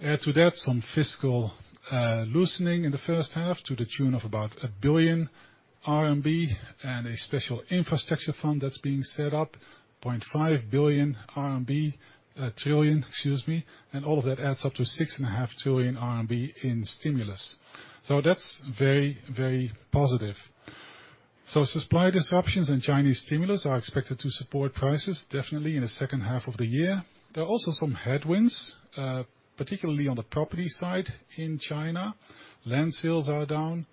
Add to that some fiscal loosening in the first half to the tune of about 1 billion RMB and a special infrastructure fund that's being set up, 0.5 trillion RMB, and all of that adds up to 6.5 trillion RMB in stimulus. That's very, very positive. Supply disruptions and Chinese stimulus are expected to support prices definitely in the second half of the year. There are also some headwinds, particularly on the property side in China. Land sales are down.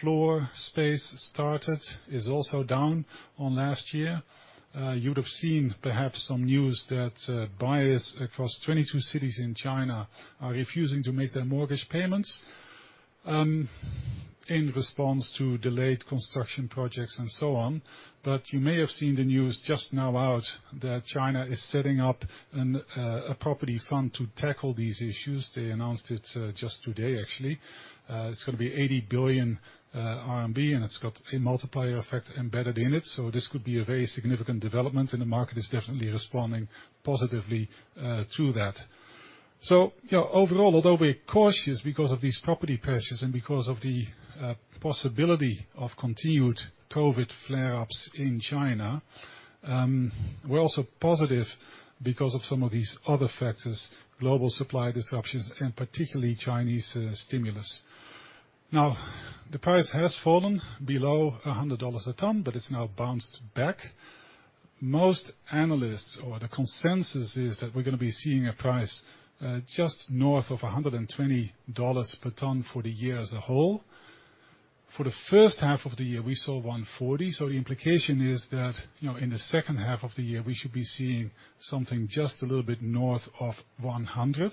Floor space started is also down on last year. You'd have seen perhaps some news that, buyers across 22 cities in China are refusing to make their mortgage payments, in response to delayed construction projects and so on. You may have seen the news just now out that China is setting up an, a property fund to tackle these issues. They announced it, just today actually. It's gonna be 80 billion RMB, and it's got a multiplier effect embedded in it, so this could be a very significant development, and the market is definitely responding positively, to that. You know, overall, although we're cautious because of these property pressures and because of the possibility of continued COVID flare-ups in China, we're also positive because of some of these other factors, global supply disruptions and particularly Chinese stimulus. The price has fallen below $100 a ton, but it's now bounced back. Most analysts or the consensus is that we're gonna be seeing a price just north of $120 per ton for the year as a whole. For the first half of the year, we saw $140, so the implication is that, you know, in the second half of the year, we should be seeing something just a little bit north of $100.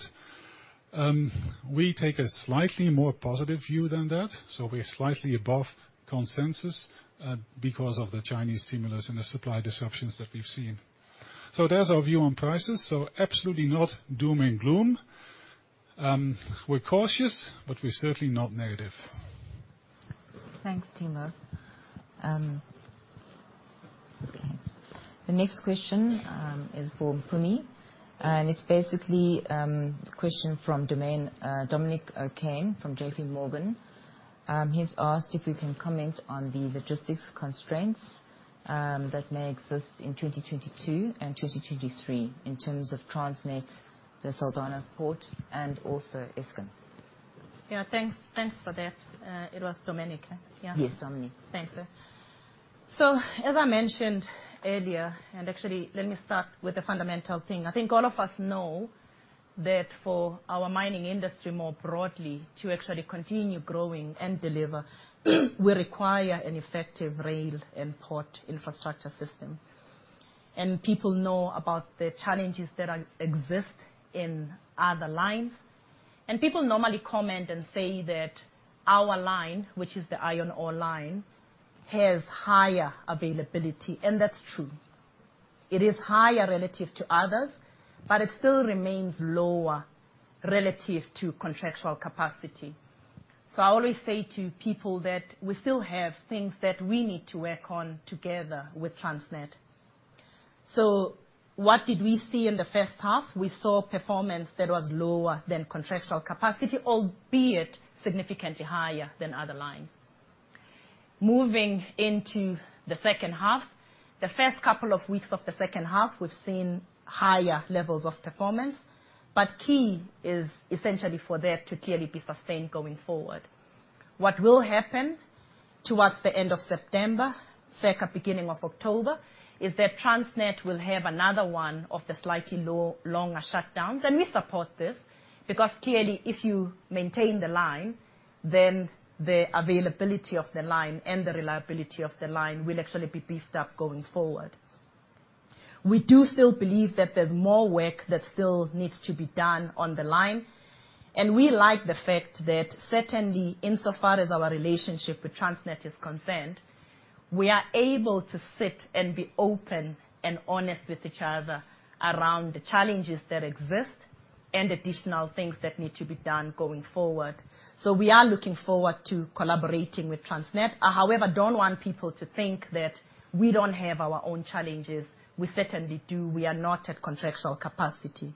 We take a slightly more positive view than that, so we're slightly above consensus, because of the Chinese stimulus and the supply disruptions that we've seen. There's our view on prices, so absolutely not doom and gloom. We're cautious, but we're certainly not negative. Thanks, Timo. Okay. The next question is for Mpumi, and it's basically question from Dominic O'Kane from JPMorgan. He's asked if we can comment on the logistics constraints that may exist in 2022 and 2023 in terms of Transnet, the Saldanha Port, and also Eskom. Yeah, thanks. Thanks for that. It was Dominic, yeah? Yes, Dominic. Thanks. As I mentioned earlier, actually let me start with the fundamental thing. I think all of us know that for our mining industry more broadly to actually continue growing and deliver, we require an effective rail and port infrastructure system. People know about the challenges that exist in other lines. People normally comment and say that our line, which is the iron ore line, has higher availability, and that's true. It is higher relative to others, but it still remains lower relative to contractual capacity. I always say to people that we still have things that we need to work on together with Transnet. What did we see in the first half? We saw performance that was lower than contractual capacity, albeit significantly higher than other lines. Moving into the second half, the first couple of weeks of the second half, we've seen higher levels of performance, but key is essentially for that to clearly be sustained going forward. What will happen towards the end of September, circa the beginning of October, is that Transnet will have another one of the slightly longer shutdowns. We support this because clearly if you maintain the line, then the availability of the line and the reliability of the line will actually be beefed up going forward. We do still believe that there's more work that still needs to be done on the line, and we like the fact that certainly insofar as our relationship with Transnet is concerned, we are able to sit and be open and honest with each other around the challenges that exist and additional things that need to be done going forward. We are looking forward to collaborating with Transnet. I however don't want people to think that we don't have our own challenges. We certainly do. We are not at contractual capacity.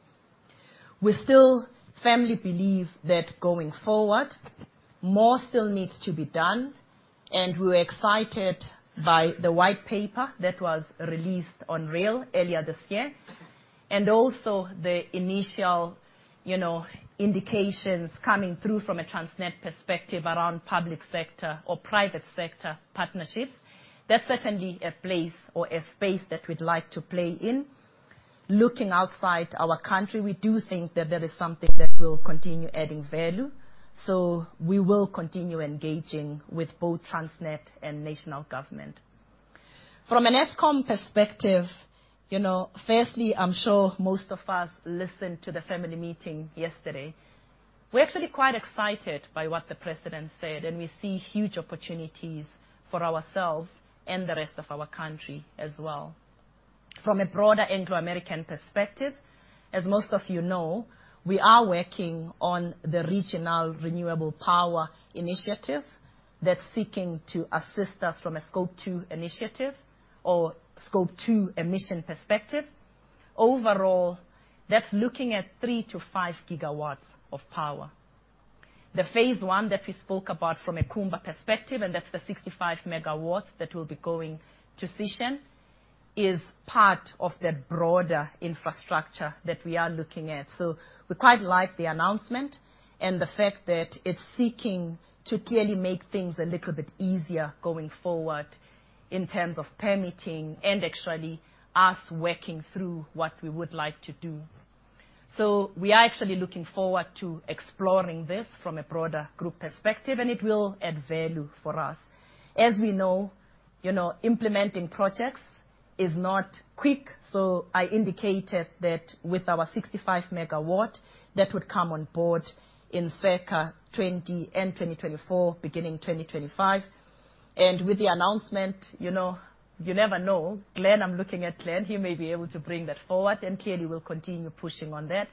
We still firmly believe that going forward, more still needs to be done, and we're excited by the white paper that was released on rail earlier this year. Also the initial, you know, indications coming through from a Transnet perspective around public sector or private sector partnerships. That's certainly a place or a space that we'd like to play in. Looking outside our country, we do think that that is something that will continue adding value. We will continue engaging with both Transnet and national government. From an Eskom perspective, you know, firstly, I'm sure most of us listened to the family meeting yesterday. We're actually quite excited by what the president said, and we see huge opportunities for ourselves and the rest of our country as well. From a broader Anglo American perspective, as most of you know, we are working on the regional renewable power initiative that's seeking to assist us from a Scope 2 initiative or Scope 2 emission perspective. Overall, that's looking at 3 GW-5 GW of power. The phase one that we spoke about from a Kumba perspective, and that's the 65 MW that will be going to Sishen, is part of that broader infrastructure that we are looking at. We quite like the announcement and the fact that it's seeking to clearly make things a little bit easier going forward in terms of permitting and actually us working through what we would like to do. We are actually looking forward to exploring this from a broader group perspective, and it will add value for us. As we know, you know, implementing projects is not quick. I indicated that with our 65 MW, that would come on board in circa end 2024, beginning 2025. With the announcement, you know, you never know. Glenn, I'm looking at Glenn. He may be able to bring that forward, and clearly we'll continue pushing on that.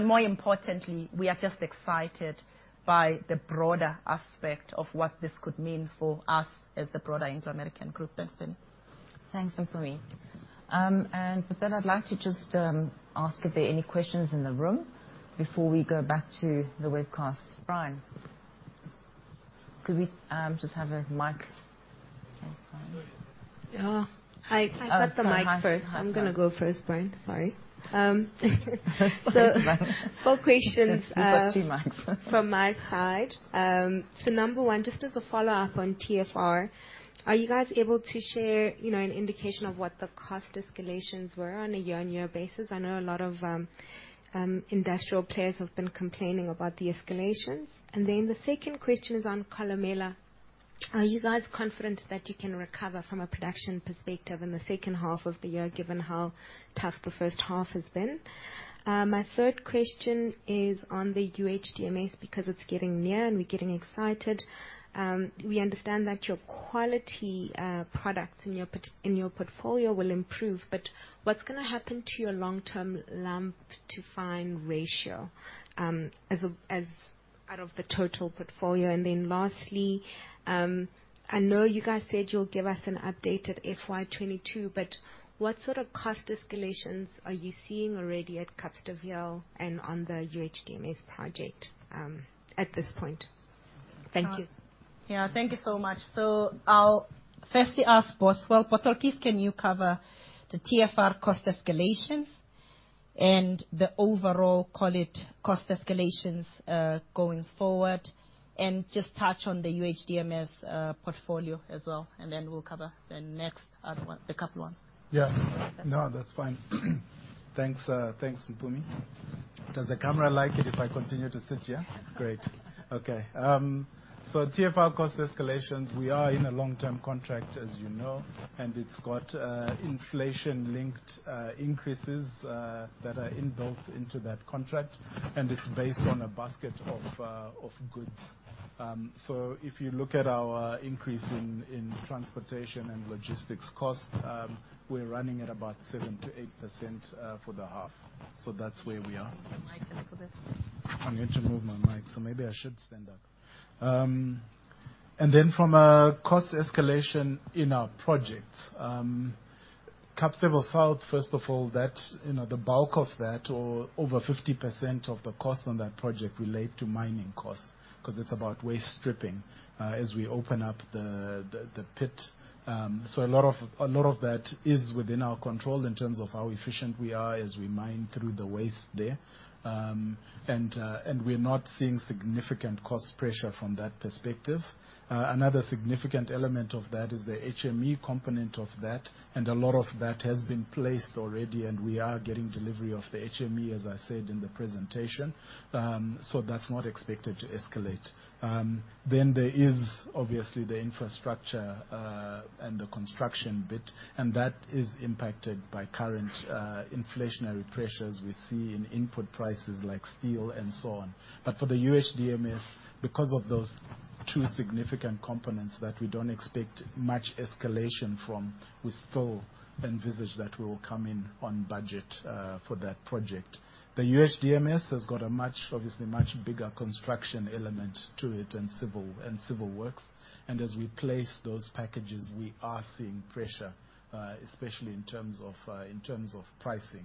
More importantly, we are just excited by the broader aspect of what this could mean for us as the broader Anglo American group. That's it. Thanks, Mpumi. With that, I'd like to just ask if there are any questions in the room before we go back to the webcast. Brian, could we just have a mic? Yeah. I got the mic first. Oh, sorry. Hi. I'm gonna go first, Brian. Sorry. That's all right. Four questions. We've got two mics. From my side. Number one, just as a follow-up on TFR, are you guys able to share, you know, an indication of what the cost escalations were on a year-on-year basis? I know a lot of industrial players have been complaining about the escalations. The second question is on Kolomela. Are you guys confident that you can recover from a production perspective in the second half of the year, given how tough the first half has been? My third question is on the UHDMS, because it's getting near and we're getting excited. We understand that your quality products in your portfolio will improve, but what's gonna happen to your long-term lump to fine ratio, as out of the total portfolio? Lastly, I know you guys said you'll give us an update at FY 2022, but what sort of cost escalations are you seeing already at Kapstevel and on the UHDMS project, at this point? Thank you. Yeah. Thank you so much. I'll firstly ask Bothwell, well, can you cover the TFR cost escalations and the overall, call it, cost escalations, going forward? Just touch on the UHDMS portfolio as well, and then we'll cover the next other one, the couple ones. Yeah. No, that's fine. Thanks, Mpumi. Does the camera like it if I continue to sit here? Yeah. Great. Okay. TFR cost escalations, we are in a long-term contract, as you know, and it's got inflation-linked increases that are inbuilt into that contract, and it's based on a basket of goods. If you look at our increase in transportation and logistics costs, we're running at about 7%-8% for the half. That's where we are. Can you move your mic a little bit? I need to move my mic, so maybe I should stand up. From a cost escalation in our projects, Kapstevel South, first of all, that's, you know, the bulk of that or over 50% of the cost on that project relate to mining costs 'cause it's about waste stripping, as we open up the pit. A lot of that is within our control in terms of how efficient we are as we mine through the waste there. We're not seeing significant cost pressure from that perspective. Another significant element of that is the HME component of that, and a lot of that has been placed already and we are getting delivery of the HME, as I said in the presentation. That's not expected to escalate. There is obviously the infrastructure and the construction bit, and that is impacted by current inflationary pressures we see in input prices like steel and so on. For the UHDMS, because of those two significant components that we don't expect much escalation from, we still envisage that we will come in on budget for that project. The UHDMS has got a much, obviously much bigger construction element to it and civil works, and as we place those packages, we are seeing pressure, especially in terms of pricing.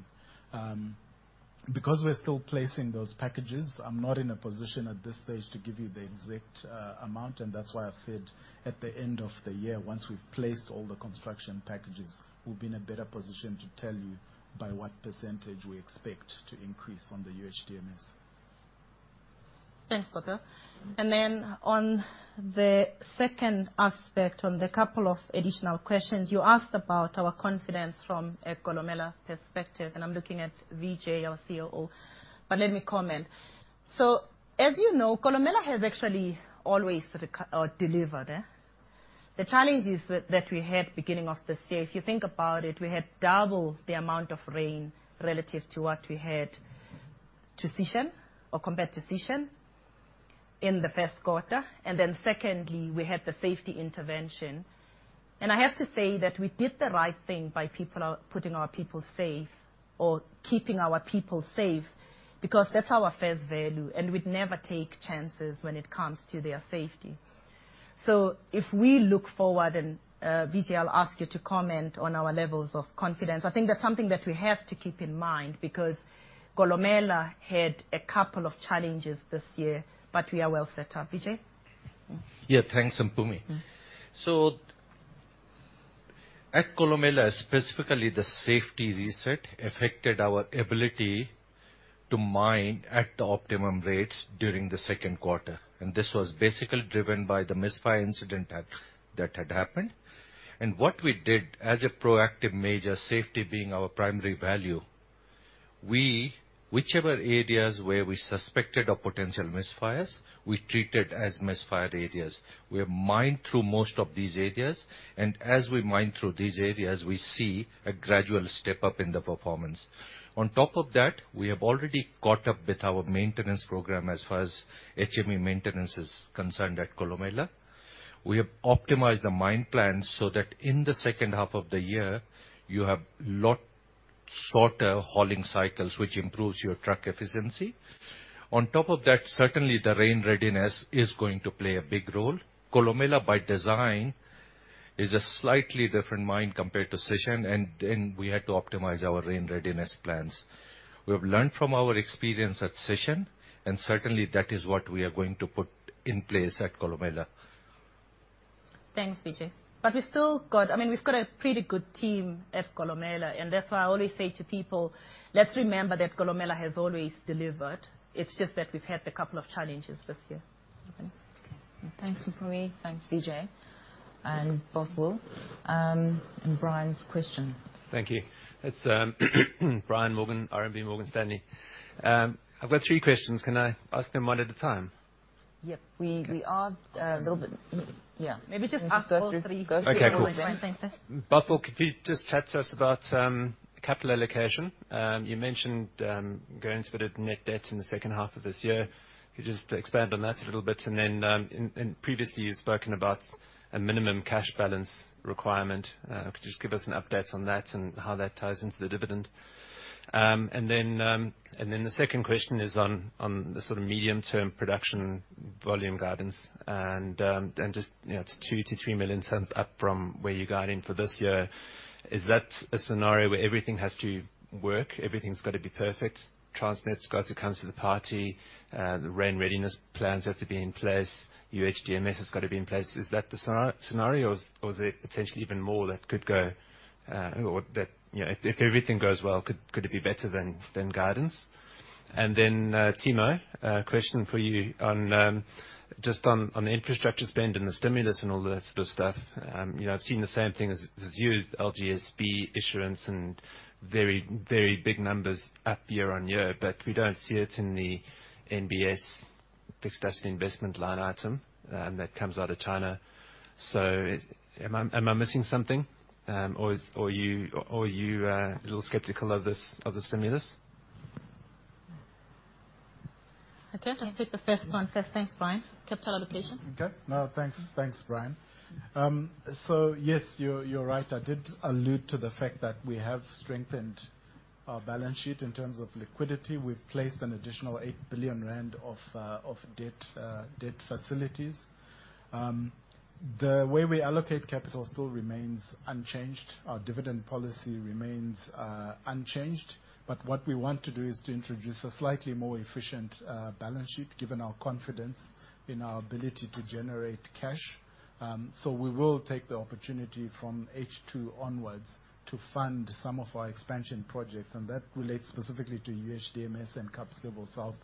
Because we're still placing those packages, I'm not in a position at this stage to give you the exact amount, and that's why I've said at the end of the year, once we've placed all the construction packages, we'll be in a better position to tell you by what percentage we expect to increase on the UHDMS. Thanks, Bothwell. On the second aspect, on the couple of additional questions, you asked about our confidence from a Kolomela perspective, and I'm looking at Vijay, our COO, but let me comment. As you know, Kolomela has actually always delivered. The challenges that we had beginning of this year, if you think about it, we had double the amount of rain relative to what we had to Sishen or compared to Sishen in the first quarter. Secondly, we had the safety intervention. I have to say that we did the right thing by putting our people safe or keeping our people safe, because that's our first value, and we'd never take chances when it comes to their safety. If we look forward, Vijay, I'll ask you to comment on our levels of confidence. I think that's something that we have to keep in mind, because Kolomela had a couple of challenges this year, but we are well set up. Vijay? Yeah. Thanks, Mpumi. Mm-hmm. At Kolomela, specifically, the safety reset affected our ability to mine at the optimum rates during the second quarter, and this was basically driven by the misfire incident that had happened. What we did as a proactive measure, safety being our primary value, we whichever areas where we suspected of potential misfires, we treated as misfired areas. We have mined through most of these areas, and as we mine through these areas, we see a gradual step-up in the performance. On top of that, we have already caught up with our maintenance program as far as HME maintenance is concerned at Kolomela. We have optimized the mine plan so that in the second half of the year you have a lot shorter hauling cycles, which improves your truck efficiency. On top of that, certainly the rain readiness is going to play a big role. Kolomela, by design, is a slightly different mine compared to Sishen and then we had to optimize our rail readiness plans. We have learned from our experience at Sishen, and certainly that is what we are going to put in place at Kolomela. Thanks, Vijay. I mean, we've got a pretty good team at Kolomela, and that's why I always say to people, "Let's remember that Kolomela has always delivered. It's just that we've had a couple of challenges this year." Okay. Thanks, Mpumi. Thanks, Vijay, and Bothwell, and Brian's question. Thank you. It's Brian Morgan, RMB Morgan Stanley. I've got three questions. Can I ask them one at a time? Yep. We are a little bit. Yeah. Maybe just ask all three. Go through. Go through all three. Okay. Bothwell, could you just chat to us about capital allocation? You mentioned going into a bit of net debt in the second half of this year. Could you just expand on that a little bit? Previously you've spoken about a minimum cash balance requirement. Could you just give us an update on that and how that ties into the dividend? The second question is on the sort of medium-term production volume guidance and just, you know, it's 2 million-3 million tons up from where you're guiding for this year. Is that a scenario where everything has to work, everything's gotta be perfect, Transnet's got to come to the party, the rain readiness plans have to be in place, UHDMS has got to be in place? Is that the scenario or is there potentially even more that could go, or that, you know, if everything goes well, could it be better than guidance? Then, Timo, a question for you on just on the infrastructure spend and the stimulus and all that sort of stuff. You know, I've seen the same thing as you, LGSB issuance and very big numbers up year-over-year, but we don't see it in the NBS fixed asset investment line item that comes out of China. Am I missing something, or are you a little skeptical of this, of the stimulus? Okay. Let's take the first one first. Thanks, Brian. Capital allocation. Okay. No, thanks, Brian. Yes, you're right. I did allude to the fact that we have strengthened our balance sheet in terms of liquidity. We've placed an additional 8 billion rand of debt facilities. The way we allocate capital still remains unchanged. Our dividend policy remains unchanged. But what we want to do is to introduce a slightly more efficient balance sheet, given our confidence in our ability to generate cash. We will take the opportunity from H2 onwards to fund some of our expansion projects, and that relates specifically to UHDMS and Kapstevel South,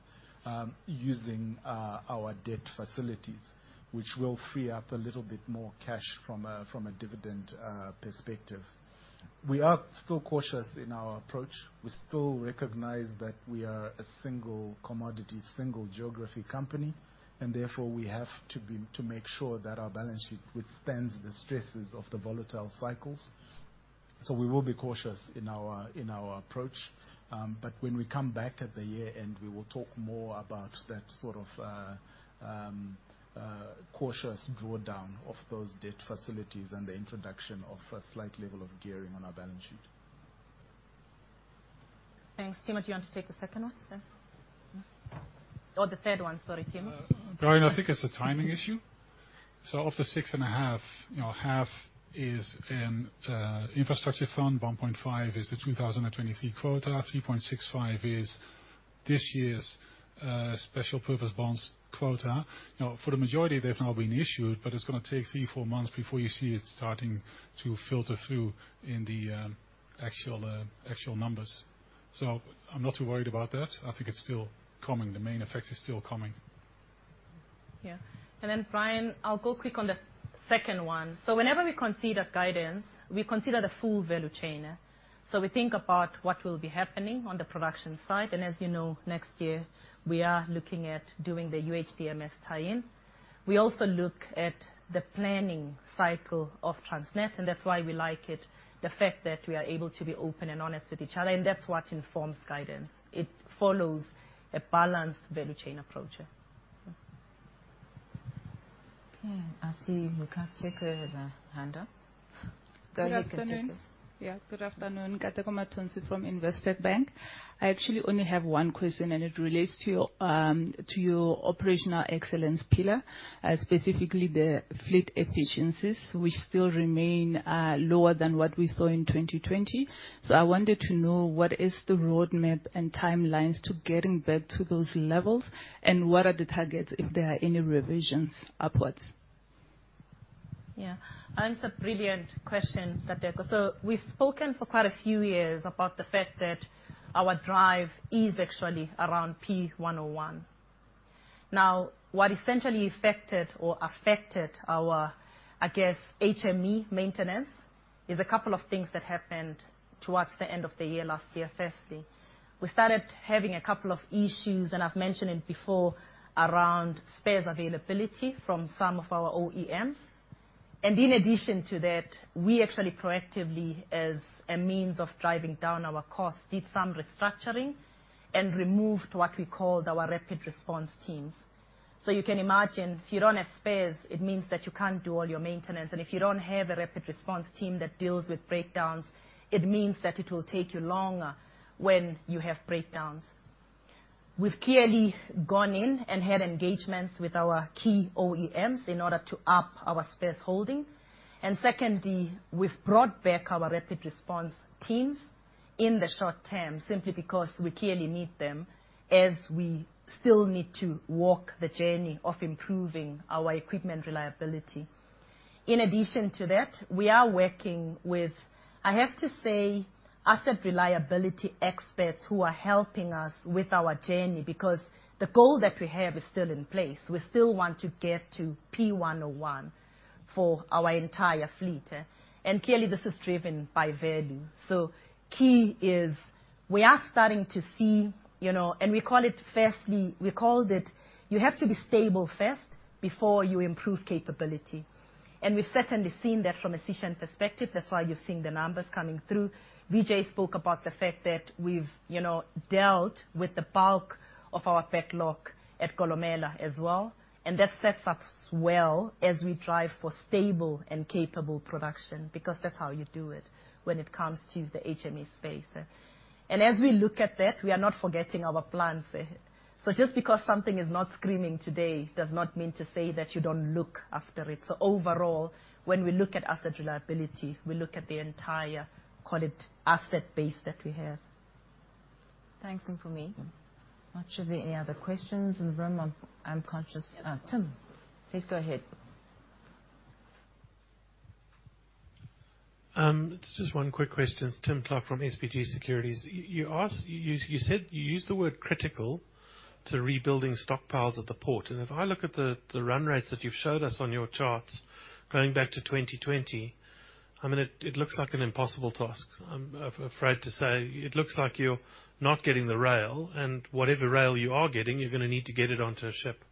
using our debt facilities, which will free up a little bit more cash from a dividend perspective. We are still cautious in our approach. We still recognize that we are a single commodity, single geography company, and therefore, we have to make sure that our balance sheet withstands the stresses of the volatile cycles. We will be cautious in our approach. When we come back at the year-end, we will talk more about that sort of cautious drawdown of those debt facilities and the introduction of a slight level of gearing on our balance sheet. Thanks. Timo, do you want to take the second one? Thanks. The third one. Sorry, Tim. No, I think it's a timing issue. Of the 6.5 trillion, you know, half is infrastructure fund, 1.5 trillion is the 2023 quota, 3.65 is this year's special purpose bonds quota. Now, for the majority, they've now been issued, but it's gonna take three, four months before you see it starting to filter through in the actual numbers. I'm not too worried about that. I think it's still coming. The main effect is still coming. Yeah. Brian, I'll go quick on the second one. Whenever we consider guidance, we consider the full value chain. We think about what will be happening on the production side. As you know, next year we are looking at doing the UHDMS tie-in. We also look at the planning cycle of Transnet, and that's why we like it, the fact that we are able to be open and honest with each other, and that's what informs guidance. It follows a balanced value chain approach. Okay. I see Nkateko has a hand up. Good afternoon. Go ahead, Nkateko. Yeah. Good afternoon. Nkateko Mathonsi from Investec Bank. I actually only have one question, and it relates to your operational excellence pillar, specifically the fleet efficiencies which still remain lower than what we saw in 2020. I wanted to know what is the roadmap and timelines to getting back to those levels, and what are the targets, if there are any revisions upwards? Yeah. It's a brilliant question, Nkateko. We've spoken for quite a few years about the fact that our drive is actually around P101. Now, what essentially affected our, I guess, HME maintenance is a couple of things that happened towards the end of the year last year, firstly. We started having a couple of issues, and I've mentioned it before, around spares availability from some of our OEMs. In addition to that, we actually proactively, as a means of driving down our costs, did some restructuring and removed what we called our rapid response teams. You can imagine if you don't have spares, it means that you can't do all your maintenance. If you don't have a rapid response team that deals with breakdowns, it means that it will take you longer when you have breakdowns. We've clearly gone in and had engagements with our key OEMs in order to up our spares holding. Secondly, we've brought back our rapid response teams in the short term simply because we clearly need them as we still need to walk the journey of improving our equipment reliability. In addition to that, we are working with, I have to say, asset reliability experts who are helping us with our journey because the goal that we have is still in place. We still want to get to P101 for our entire fleet, and clearly this is driven by value. Key is we are starting to see, you know, and we call it firstly, we called it you have to be stable first before you improve capability. We've certainly seen that from a Sishen perspective. That's why you're seeing the numbers coming through. Vijay spoke about the fact that we've, you know, dealt with the bulk of our backlog at Kolomela as well, and that sets up well as we drive for stable and capable production, because that's how you do it when it comes to the HME space, yeah. As we look at that, we are not forgetting our plans, yeah. Just because something is not screaming today does not mean to say that you don't look after it. Overall, when we look at asset reliability, we look at the entire, call it asset base that we have. Thanks, Mpumi. Are there any other questions in the room? I'm conscious. Tim, please go ahead. It's just one quick question. It's Tim Clark from SBG Securities. You asked. You said. You used the word critical to rebuilding stockpiles at the port. If I look at the run rates that you've showed us on your charts going back to 2020, I mean, it looks like an impossible task, I'm afraid to say. It looks like you're not getting the rail, and whatever rail you are getting, you're gonna need to get it onto a ship.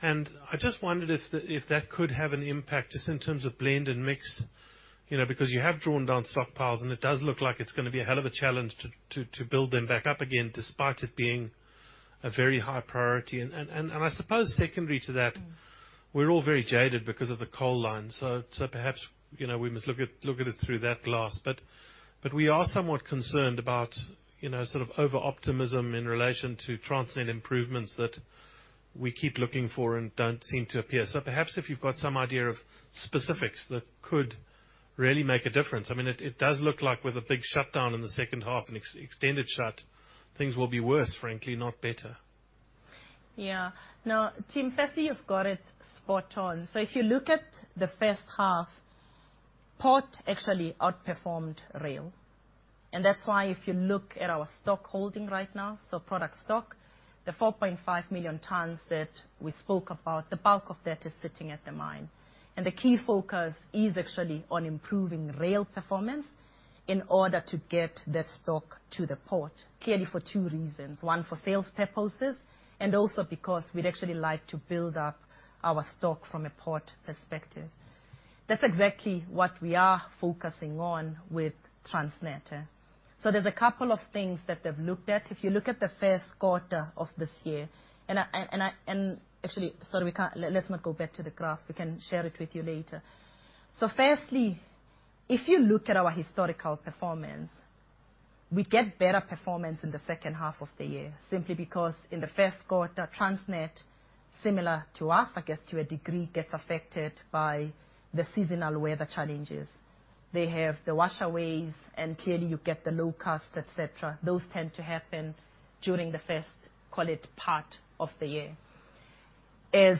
I just wondered if that could have an impact just in terms of blend and mix. You know, because you have drawn down stockpiles, and it does look like it's gonna be a hell of a challenge to build them back up again, despite it being a very high priority. I suppose secondary to that. Mm. We're all very jaded because of the coal line, so perhaps, you know, we must look at it through that glass. We are somewhat concerned about, you know, sort of over-optimism in relation to Transnet improvements that we keep looking for and don't seem to appear. Perhaps if you've got some idea of specifics that could really make a difference. I mean, it does look like with a big shutdown in the second half and extended shut, things will be worse, frankly, not better. Yeah. No, Tim, firstly you've got it spot on. If you look at the first half, port actually outperformed rail. That's why if you look at our stock holding right now, so product stock, the 4.5 million tons that we spoke about, the bulk of that is sitting at the mine. The key focus is actually on improving rail performance in order to get that stock to the port, clearly for two reasons, one, for sales purposes, and also because we'd actually like to build up our stock from a port perspective. That's exactly what we are focusing on with Transnet, yeah. There's a couple of things that they've looked at. If you look at the first quarter of this year, actually, sorry, we can't. Let's not go back to the graph. We can share it with you later. Firstly, if you look at our historical performance. We get better performance in the second half of the year, simply because in the first quarter, Transnet, similar to us, I guess to a degree, gets affected by the seasonal weather challenges. They have the washaways, and clearly you get the low cost, et cetera. Those tend to happen during the first, call it, part of the year. As,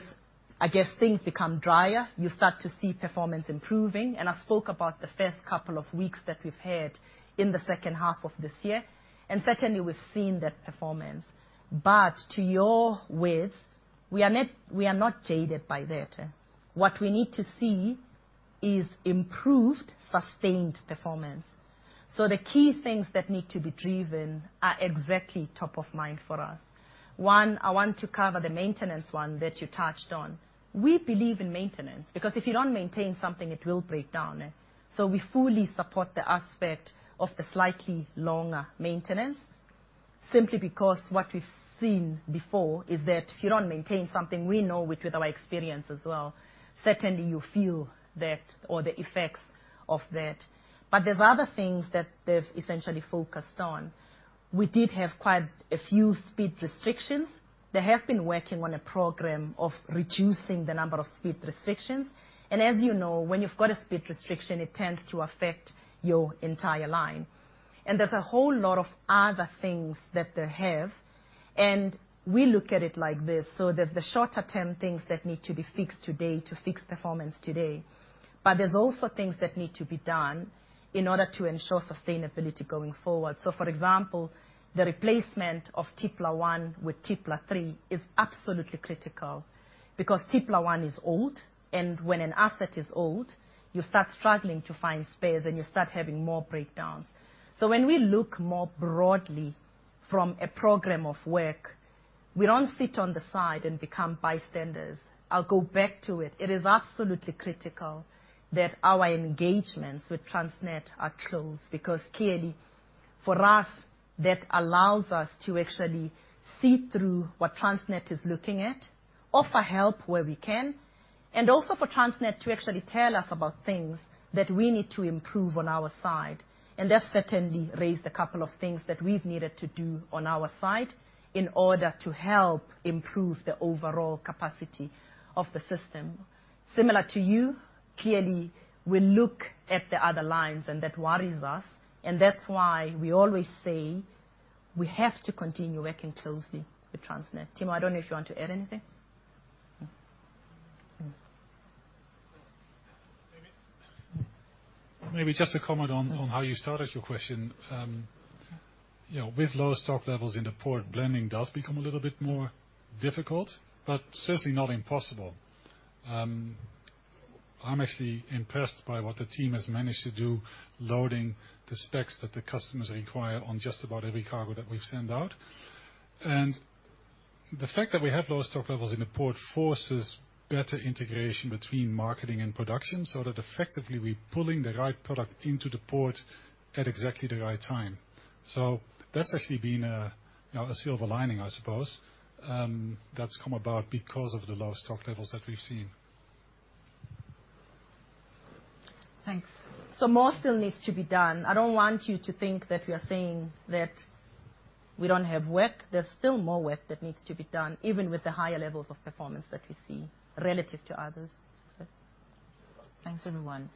I guess, things become drier, you start to see performance improving, and I spoke about the first couple of weeks that we've had in the second half of this year, and certainly we've seen that performance. To your point, we are not jaded by that. What we need to see is improved, sustained performance. The key things that need to be driven are exactly top of mind for us. One, I want to cover the maintenance one that you touched on. We believe in maintenance, because if you don't maintain something, it will break down. We fully support the aspect of the slightly longer maintenance, simply because what we've seen before is that if you don't maintain something, we know with our experience as well, certainly you feel that or the effects of that. There's other things that they've essentially focused on. We did have quite a few speed restrictions. They have been working on a program of reducing the number of speed restrictions, and as you know, when you've got a speed restriction, it tends to affect your entire line. There's a whole lot of other things that they have, and we look at it like this. There's the shorter-term things that need to be fixed today to fix performance today, but there's also things that need to be done in order to ensure sustainability going forward. For example, the replacement of Tippler 1 with Tippler 3 is absolutely critical because Tippler 1 is old, and when an asset is old, you start struggling to find spares and you start having more breakdowns. When we look more broadly from a program of work, we don't sit on the side and become bystanders. I'll go back to it. It is absolutely critical that our engagements with Transnet are close, because clearly for us, that allows us to actually see through what Transnet is looking at, offer help where we can, and also for Transnet to actually tell us about things that we need to improve on our side. They've certainly raised a couple of things that we've needed to do on our side in order to help improve the overall capacity of the system. Similar to you, clearly, we look at the other lines and that worries us, and that's why we always say we have to continue working closely with Transnet. Timo, I don't know if you want to add anything. Maybe just to comment on how you started your question. You know, with lower stock levels in the port, blending does become a little bit more difficult, but certainly not impossible. I'm actually impressed by what the team has managed to do, loading the specs that the customers require on just about every cargo that we've sent out. The fact that we have low stock levels in the port forces better integration between marketing and production, so that effectively we're pulling the right product into the port at exactly the right time. That's actually been a, you know, a silver lining, I suppose, that's come about because of the low stock levels that we've seen. Thanks. More still needs to be done. I don't want you to think that we are saying that we don't have work. There's still more work that needs to be done, even with the higher levels of performance that we see relative to others. Thanks, everyone.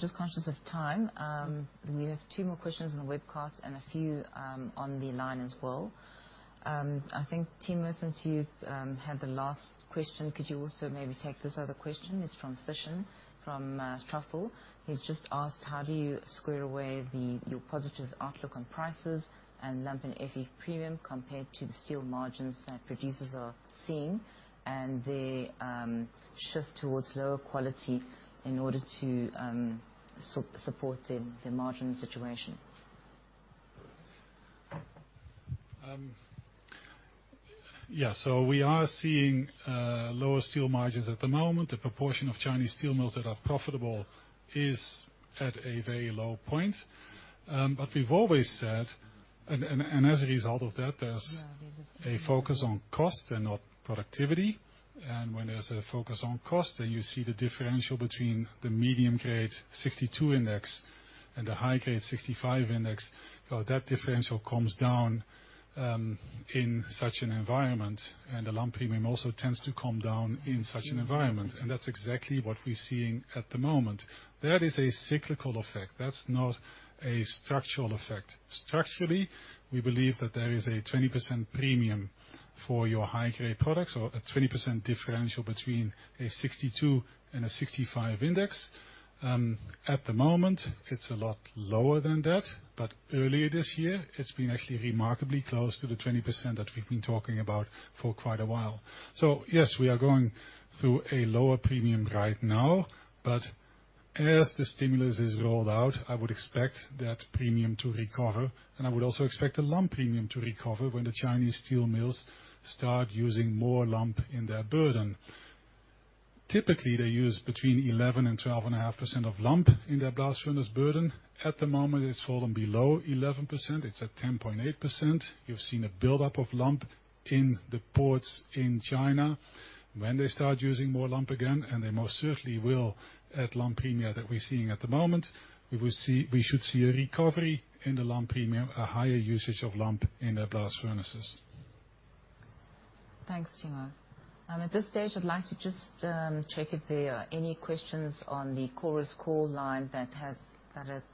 Just conscious of time. We have two more questions on the webcast and a few on the line as well. I think, Timo, since you've had the last question, could you also maybe take this other question? It's from Thishan, from Truffle. He's just asked, how do you square away your positive outlook on prices and lump in Fe premium compared to the steel margins that producers are seeing and the shift towards lower quality in order to support the margin situation? We are seeing lower steel margins at the moment. The proportion of Chinese steel mills that are profitable is at a very low point. We've always said, and as a result of that, there's a focus on cost and not productivity. When there's a focus on cost, then you see the differential between the medium-grade 62% index and the high-grade 65% index. That differential calms down in such an environment, and the lump premium also tends to calm down in such an environment, and that's exactly what we're seeing at the moment. That is a cyclical effect. That's not a structural effect. Structurally, we believe that there is a 20% premium for your high-grade products or a 20% differential between a 62% and a 65% index. At the moment, it's a lot lower than that, but earlier this year, it's been actually remarkably close to the 20% that we've been talking about for quite a while. Yes, we are going through a lower premium right now, but as the stimulus is rolled out, I would expect that premium to recover, and I would also expect the lump premium to recover when the Chinese steel mills start using more lump in their burden. Typically, they use between 11% and 12.5% of lump in their blast furnace burden. At the moment, it's fallen below 11%. It's at 10.8%. You've seen a buildup of lump in the ports in China. When they start using more lump again, and they most certainly will at lump premium that we're seeing at the moment, we should see a recovery in the lump premium, a higher usage of lump in their blast furnaces. Thanks, Timo. At this stage, I'd like to just check if there are any questions on the Chorus Call line that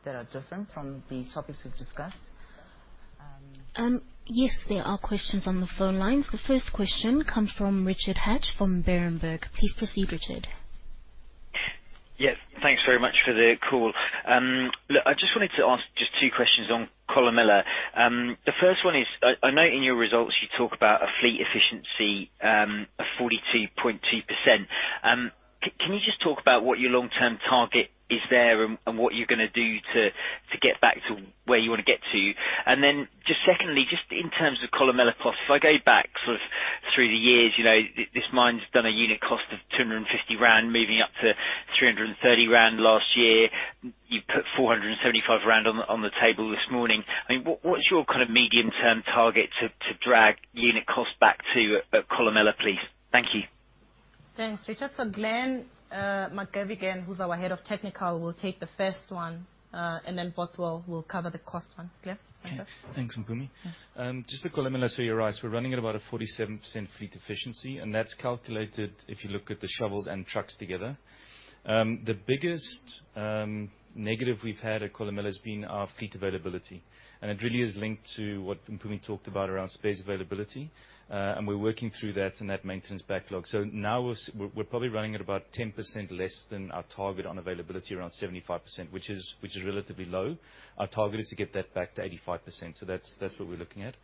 are different from the topics we've discussed. Yes, there are questions on the phone lines. The first question comes from Richard Hatch from Berenberg. Please proceed, Richard. Yes. Thanks very much for the call. Look, I just wanted to ask just two questions on Kolomela. The first one is, I know in your results you talk about a fleet efficiency of 42.2%. Can you just talk about what your long-term target is there and what you're gonna do to get back to where you wanna get to? Then just secondly, just in terms of Kolomela costs, if I go back sort of through the years, you know, this mine's done a unit cost of 250 rand moving up to 330 rand last year. You put 475 rand on the table this morning. I mean, what's your kind of medium-term target to drag unit cost back to Kolomela, please? Thank you. Thanks, Richard. Glen Mc Gavigan, who's our Head of Technical, will take the first one. Bothwell will cover the cost one. Glen, want to? Thanks, Mpumi. Yeah. Just the Kolomela, you're right. We're running at about 47% fleet efficiency, and that's calculated if you look at the shovels and trucks together. The biggest negative we've had at Kolomela has been our fleet availability, and it really is linked to what Mpumi talked about around spares availability. We're working through that and that maintenance backlog. Now we're probably running at about 10% less than our target on availability, around 75%, which is relatively low. Our target is to get that back to 85%, so that's what we're looking at.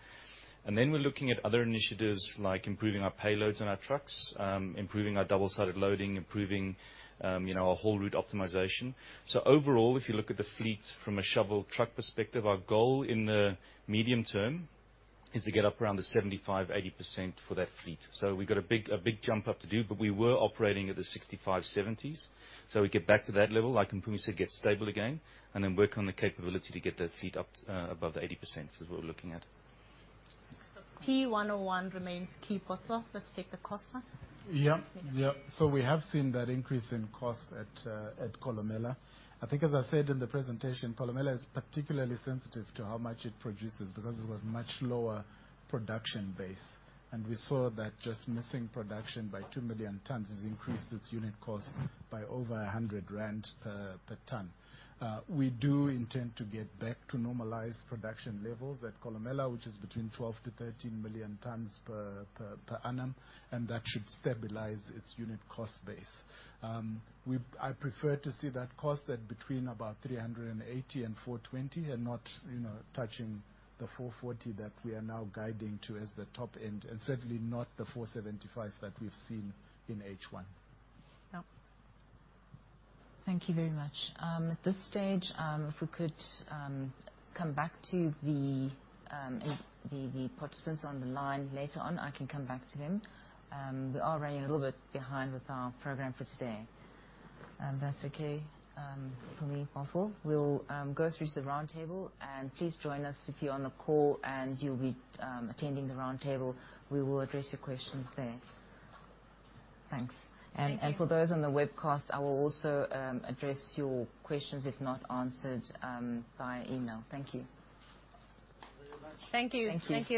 Then we're looking at other initiatives like improving our payloads on our trucks, improving our double-sided loading, improving you know, our whole route optimization. Overall, if you look at the fleet from a shovel truck perspective, our goal in the medium term is to get up around the 75%-80% for that fleet. We've got a big jump up to do, but we were operating at the 65%-70s%. We get back to that level, like Mpumi said, get stable again and then work on the capability to get that fleet up above the 80% is what we're looking at. P101 remains key, Bothwell. Let's take the cost one. We have seen that increase in cost at Kolomela. I think as I said in the presentation, Kolomela is particularly sensitive to how much it produces because it's a much lower production base. We saw that just missing production by 2 million tons has increased its unit cost by over 100 rand per ton. We do intend to get back to normalized production levels at Kolomela, which is between 12 million-13 million tons per annum, and that should stabilize its unit cost base. I prefer to see that cost at between about 380-420 and not touching the 440 that we are now guiding to as the top end, and certainly not the 475 that we've seen in H1. Yeah. Thank you very much. At this stage, if we could come back to the participants on the line later on, I can come back to them. We are running a little bit behind with our program for today. That's okay for me, Bothwell. We'll go through the roundtable, and please join us if you're on the call and you'll be attending the roundtable. We will address your questions there. Thanks. Thank you. For those on the webcast, I will also address your questions if not answered via email. Thank you. Thank you very much. Thank you. Thank you. Thank you.